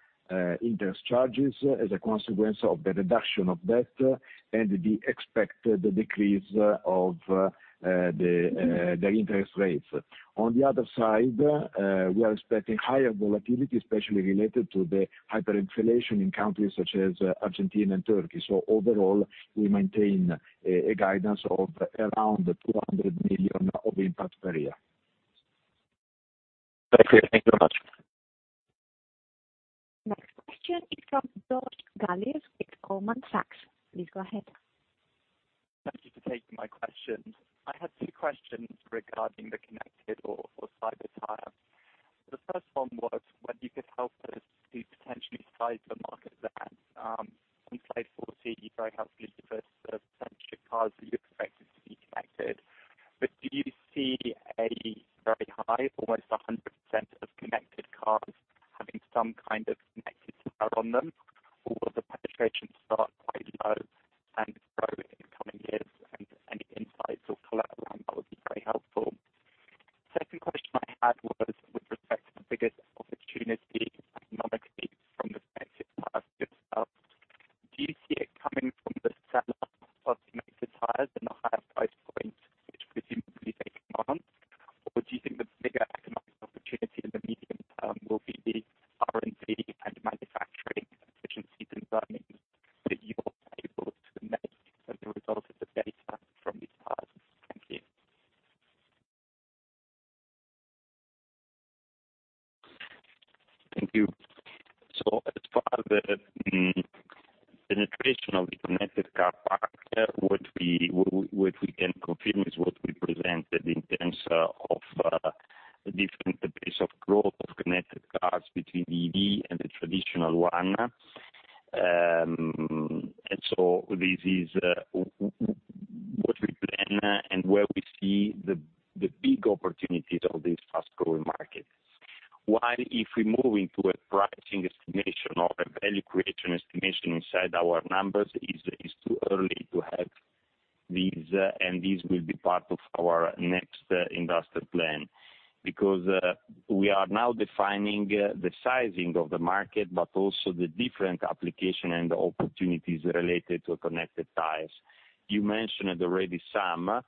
interest charges as a consequence of the reduction of debt and the expected decrease of the interest rates. On the other side, we are expecting higher volatility especially related to the hyperinflation in countries such as Argentina and Turkey. So overall, we maintain a guidance of around 200 million of impact per year. Thank you. Thank you very much. Next question is from George Galliers with Goldman Sachs. Please go ahead. Thank you for taking my questions. I had two questions regarding the connected or Cyber Tyre. The first one was whether you could help us to potentially size the market that. On slide 40, you very helpfully give us the percentage of cars that you expected to be connected but do you see a very high, almost 100% of connected cars having some kind of connected tire on them or will the penetration start quite low and grow in the coming years and any insights or comments around that would be very helpful? Second question I had was with respect to the biggest opportunity economically from the connected tires yourself. Do you see it coming from the seller of connected tires at a higher price point which presumably they command or do you think the bigger economic opportunity in the medium term will be the R&D and manufacturing efficiencies and learnings that you're able to make as a result of the data from these tires? Thank you. Thank you. So as far as the penetration of the connected car park, what we can confirm is what we presented in terms of the different pace of growth of connected cars between the EV and the traditional one, and so this is what we plan and where we see the big opportunities of this fast-growing market. While if we move into a pricing estimation or a value creation estimation inside our numbers, it is too early to have these, and these will be part of our next industrial plan because we are now defining the sizing of the market but also the different application and the opportunities related to connected tires. You mentioned already some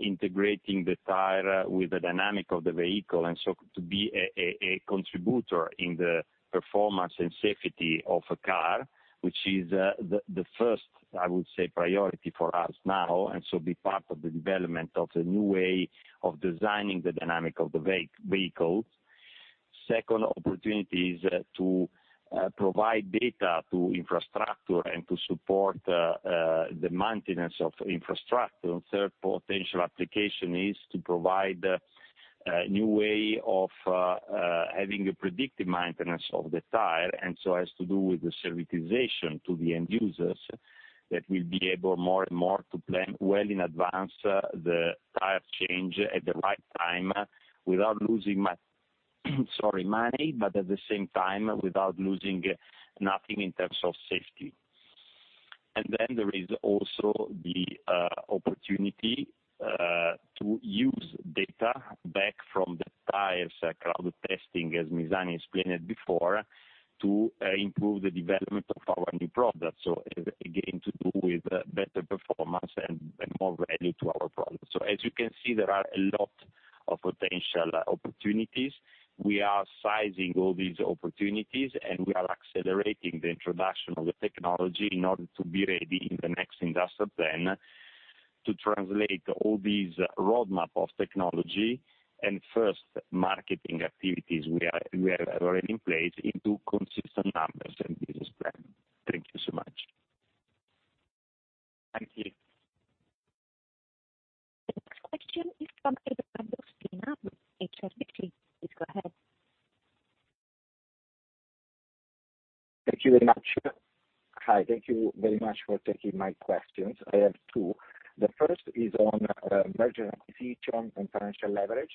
integrating the tire with the dynamic of the vehicle and so to be a contributor in the performance and safety of a car which is the first, I would say, priority for us now and so be part of the development of a new way of designing the dynamic of the vehicle. Second opportunity is to provide data to infrastructure and to support the maintenance of infrastructure. Third potential application is to provide a new way of having a predictive maintenance of the tire and so has to do with the servitization to the end users that will be able more and more to plan well in advance the tire change at the right time without losing money but at the same time without losing nothing in terms of safety. And then there is also the opportunity to use data back from the tires cloud testing as Misani explained it before to improve the development of our new product. So again, to do with better performance and more value to our product. So as you can see, there are a lot of potential opportunities. We are sizing all these opportunities and we are accelerating the introduction of the technology in order to be ready in the next industrial plan to translate all these roadmap of technology and first marketing activities we have already in place into consistent numbers and business plan. Thank you so much. Thank you. Next question is from Pedro Baptista with HSBC. Please go ahead. Thank you very much. Hi. Thank you very much for taking my questions. I have two. The first is on merger acquisition and financial leverage.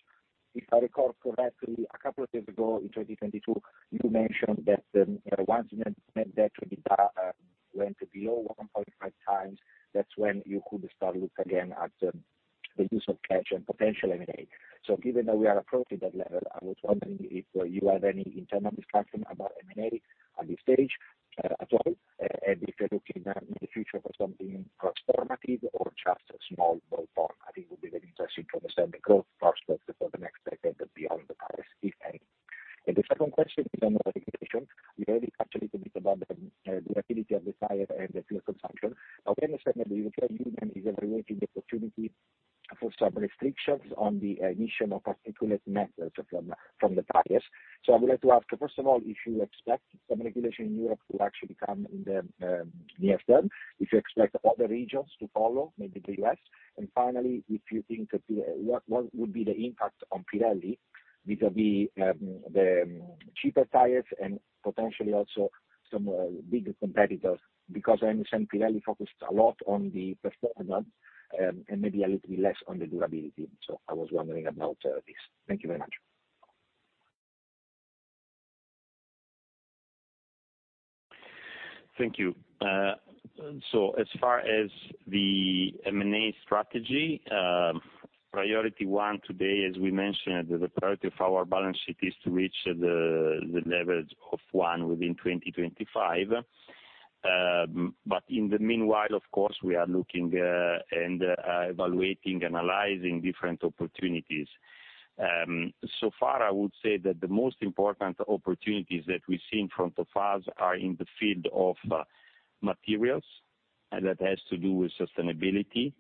If I recall correctly, a couple of years ago in 2022, you mentioned that once net debt went below 1.5x, that's when you could start to look again at the use of cash and potential M&A. So given that we are approaching that level, I was wondering if you have any internal discussion about M&A at this stage at all and if you're looking in the future for something transformative or just small ballpark. I think it would be very interesting to understand the growth prospects for the next decade beyond the tires if any. The second question is on the regulation. You already touched a little bit about the durability of the tire and the fuel consumption but we understand that the European Union is evaluating the opportunity for some restrictions on the emission of particulate matters from the tires. So I would like to ask, first of all, if you expect some regulation in Europe to actually come in the near term, if you expect other regions to follow, maybe the U.S., and finally, if you think what would be the impact on Pirelli vis-à-vis the cheaper tires and potentially also some bigger competitors because I understand Pirelli focused a lot on the performance and maybe a little bit less on the durability. So I was wondering about this. Thank you very much. Thank you. So as far as the M&A strategy, priority one today, as we mentioned, the priority of our balance sheet is to reach the leverage of one within 2025 but in the meanwhile, of course, we are looking and evaluating, analyzing different opportunities. So far, I would say that the most important opportunities that we see in front of us are in the field of materials and that has to do with sustainability.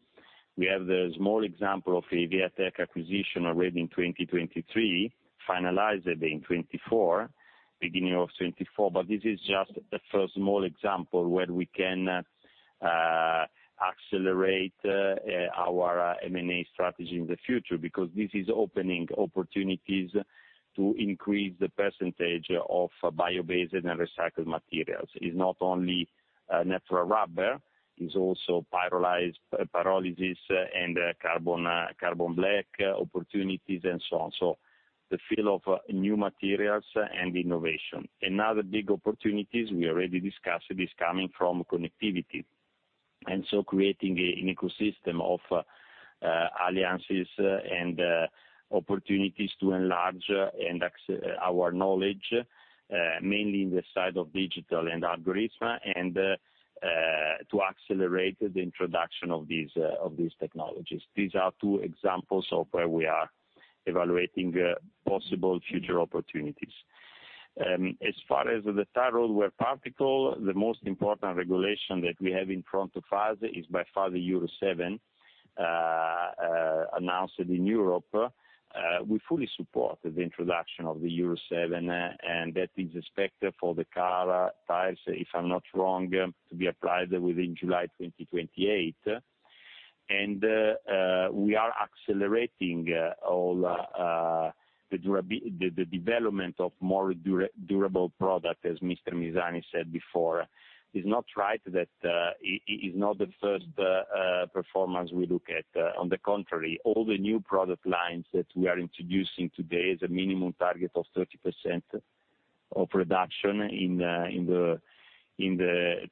We have the small example of a Hevea-Tec acquisition already in 2023, finalized it in 2024, beginning of 2024 but this is just a small example where we can accelerate our M&A strategy in the future because this is opening opportunities to increase the percentage of bio-based and recycled materials. It's not only natural rubber. It's also pyrolysis and carbon black opportunities and so on. So the field of new materials and innovation. Another big opportunities we already discussed is coming from connectivity and so creating an ecosystem of alliances and opportunities to enlarge our knowledge mainly in the side of digital and algorithm and to accelerate the introduction of these technologies. These are two examples of where we are evaluating possible future opportunities. As far as the tire road wear particle, the most important regulation that we have in front of us is by far the Euro 7 announced in Europe. We fully support the introduction of the Euro 7 and that is expected for the car tires, if I'm not wrong, to be applied within July 2028 and we are accelerating all the development of more durable product as Mr. Misani said before. It's not right that it's not the first performance we look at. On the contrary, all the new product lines that we are introducing today has a minimum target of 30% of reduction in the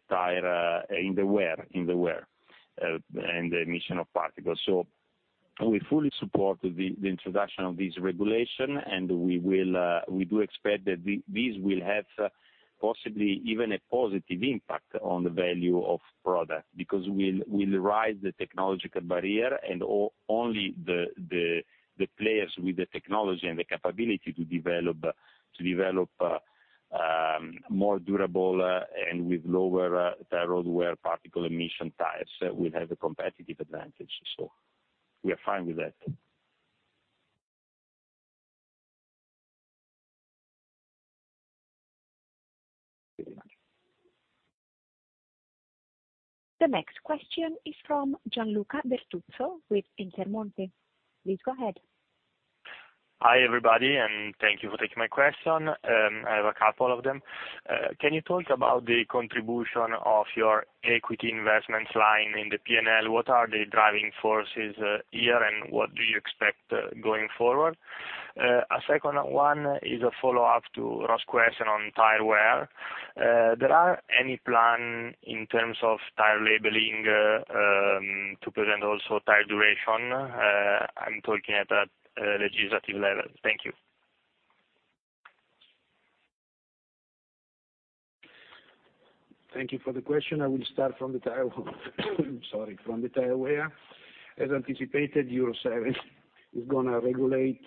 tire, in the wear, in the wear and the emission of particles. So we fully support the introduction of this regulation and we do expect that these will have possibly even a positive impact on the value of product because we'll raise the technological barrier and only the players with the technology and the capability to develop more durable and with lower tire road wear particle emission tires will have a competitive advantage. So we are fine with that. Thank you very much. The next question is from Gianluca Bertuzzo with Intermonte. Please go ahead. Hi everybody and thank you for taking my question. I have a couple of them. Can you talk about the contribution of your equity investments line in the P&L? What are the driving forces here and what do you expect going forward? A second one is a follow-up to Ross's question on tire wear. There are any plan in terms of tire labeling to present also tire duration? I'm talking at a legislative level. Thank you. Thank you for the question. I will start from the tire wear. Sorry, from the tire wear. As anticipated, Euro 7 is going to regulate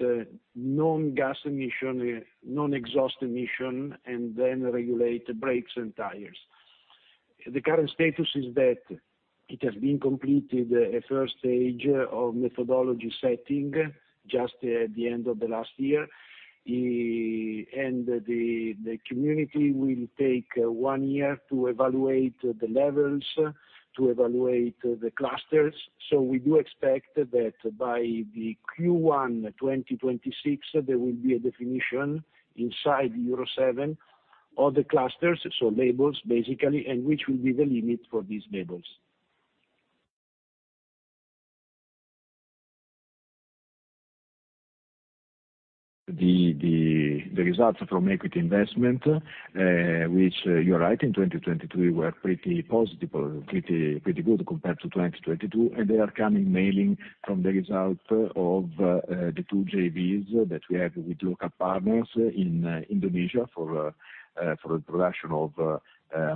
non-gas emission, non-exhaust emission, and then regulate brakes and tires. The current status is that it has been completed a first stage of methodology setting just at the end of the last year and the community will take one year to evaluate the levels, to evaluate the clusters. So we do expect that by the Q1 2026, there will be a definition inside Euro 7 of the clusters, so labels basically, and which will be the limit for these labels. The results from equity investments, which you're right, in 2023, were pretty positive, pretty good compared to 2022, and they are coming mainly from the results of the two JVs that we have with local partners in Indonesia for the production of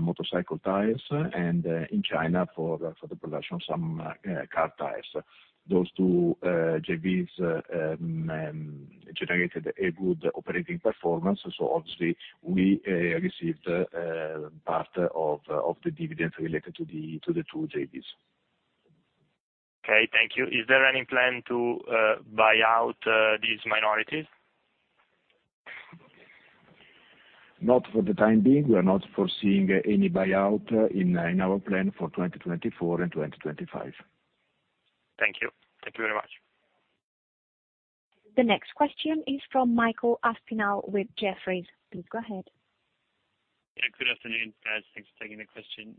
motorcycle tires and in China for the production of some car tires. Those two JVs generated a good operating performance, so obviously we received part of the dividends related to the two JVs. Okay. Thank you. Is there any plan to buy out these minorities? Not for the time being. We are not foreseeing any buyout in our plan for 2024 and 2025. Thank you. Thank you very much. The next question is from Michael Aspinall with Jefferies. Please go ahead. Good afternoon, guys. Thanks for taking the question.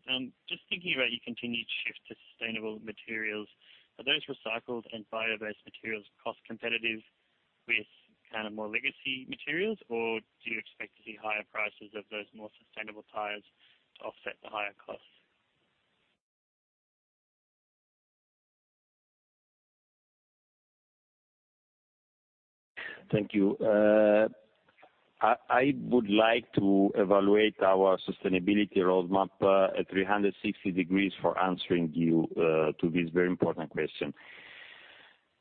Just thinking about your continued shift to sustainable materials, are those recycled and bio-based materials cost competitive with kind of more legacy materials or do you expect to see higher prices of those more sustainable tires to offset the higher costs? Thank you. I would like to evaluate our sustainability roadmap at 360 degrees for answering you to this very important question.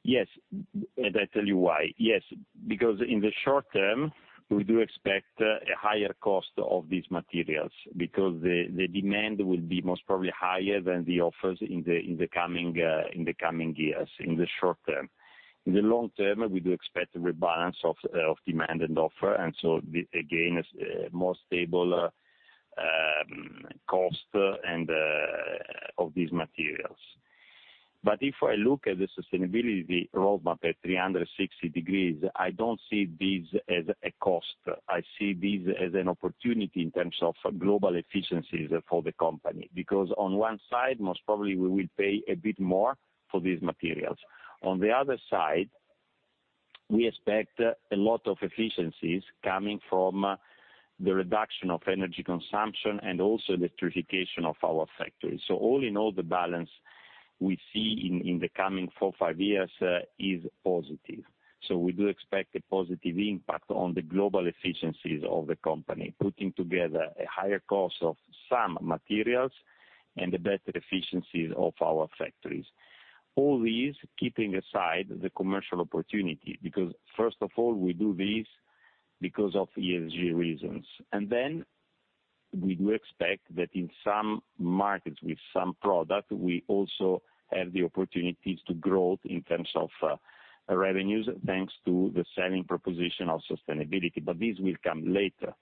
Yes. And I tell you why. Yes, because in the short term, we do expect a higher cost of these materials because the demand will be most probably higher than the offers in the coming years, in the short term. In the long term, we do expect a rebalance of demand and offer and so again, more stable cost of these materials. But if I look at the sustainability roadmap at 360 degrees, I don't see these as a cost. I see these as an opportunity in terms of global efficiencies for the company because on one side, most probably we will pay a bit more for these materials. On the other side, we expect a lot of efficiencies coming from the reduction of energy consumption and also electrification of our factory. So all in all, the balance we see in the coming 4-5 years is positive. So we do expect a positive impact on the global efficiencies of the company, putting together a higher cost of some materials and the better efficiencies of our factories. All these keeping aside the commercial opportunity because first of all, we do these because of ESG reasons and then we do expect that in some markets with some product, we also have the opportunities to growth in terms of revenues thanks to the selling proposition of sustainability but these will come later.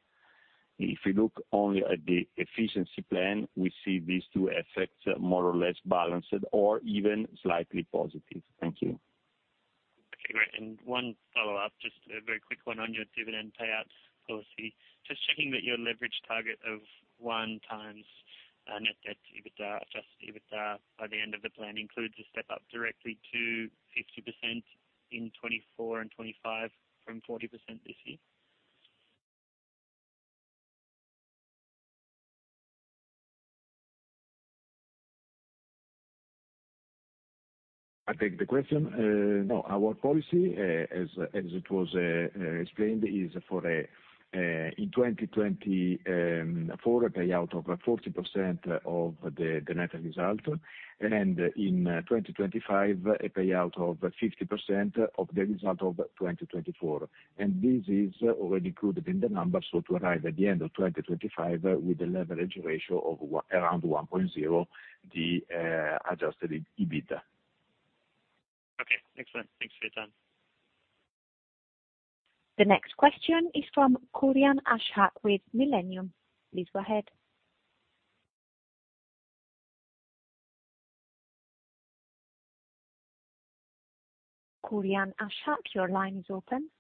If you look only at the efficiency plan, we see these two effects more or less balanced or even slightly positive. Thank you. Okay. Great. And one follow-up, just a very quick one on your dividend payouts policy. Just checking that your leverage target of 1x net debt adjusted EBITDA by the end of the plan includes a step up directly to 50% in 2024 and 2025 from 40% this year? I take the question. No, our policy, as it was explained, is for in 2024, a payout of 40% of the net result and in 2025, a payout of 50% of the result of 2024 and this is already included in the numbers so to arrive at the end of 2025 with a leverage ratio of around 1.0. The adjusted EBITDA. Okay. Excellent. Thanks for your time. The next question is from Ashik Kurian with Millennium Management. Please go ahead. Ashik Kurian, your line is open.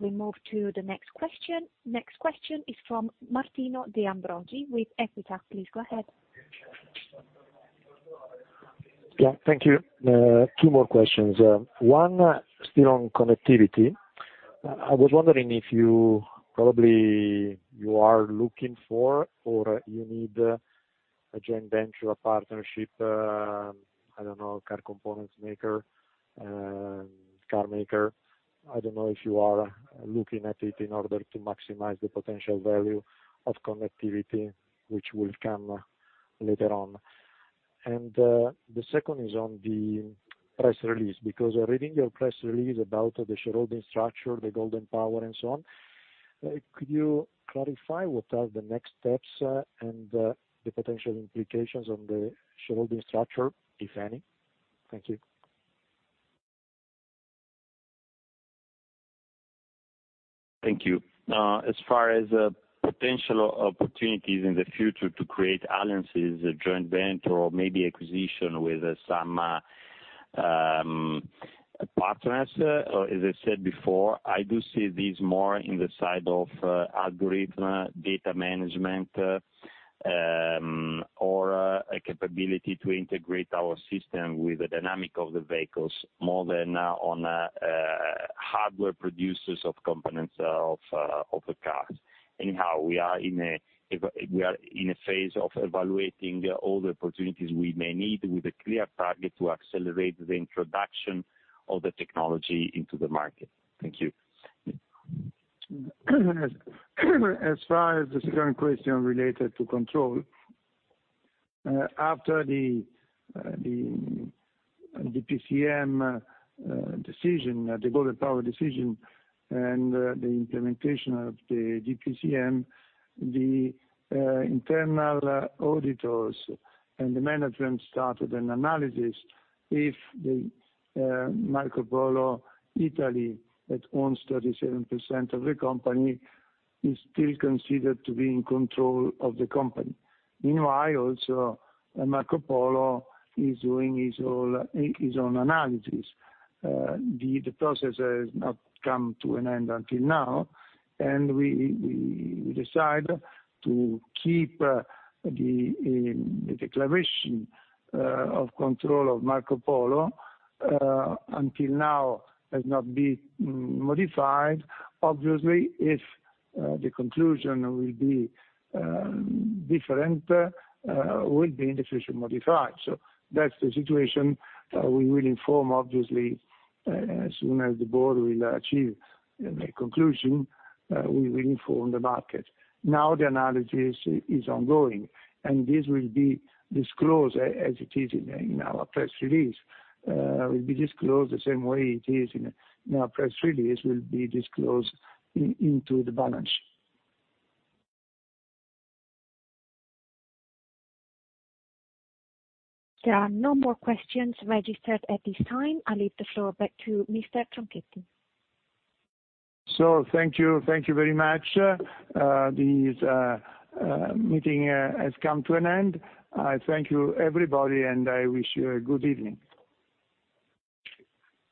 We move to the next question. Next question is from Martino De Ambroggi with Equita. Please go ahead. Yeah. Thank you. Two more questions. One, still on connectivity. I was wondering if you probably are looking for or you need a joint venture, a partnership, I don't know, car components maker, car maker. I don't know if you are looking at it in order to maximize the potential value of connectivity which will come later on. And the second is on the press release because I'm reading your press release about the shareholding structure, the Golden Power, and so on. Could you clarify what are the next steps and the potential implications on the shareholding structure if any? Thank you. Thank you. As far as potential opportunities in the future to create alliances, a joint venture, or maybe acquisition with some partners, as I said before, I do see these more in the side of algorithm, data management, or a capability to integrate our system with the dynamic of the vehicles more than on hardware producers of components of the cars. Anyhow, we are in a phase of evaluating all the opportunities we may need with a clear target to accelerate the introduction of the technology into the market. Thank you. As far as the second question related to control, after the DPCM decision, the Golden Power decision, and the implementation of the DPCM, the internal auditors and the management started an analysis if the Marco Polo Italy that owns 37% of the company is still considered to be in control of the company. Meanwhile, also, Marco Polo is doing his own analysis. The process has not come to an end until now and we decide to keep the declaration of control of Marco Polo until now has not been modified. Obviously, if the conclusion will be different, will be in the future modified. So that's the situation. We will inform, obviously, as soon as the board will achieve a conclusion, we will inform the market. Now, the analysis is ongoing and this will be disclosed as it is in our press release. It will be disclosed the same way it is in our press release will be disclosed into the balance sheet. There are no more questions registered at this time. I'll leave the floor back to Mr. Tronchetti. So thank you. Thank you very much. This meeting has come to an end. I thank you, everybody, and I wish you a good evening.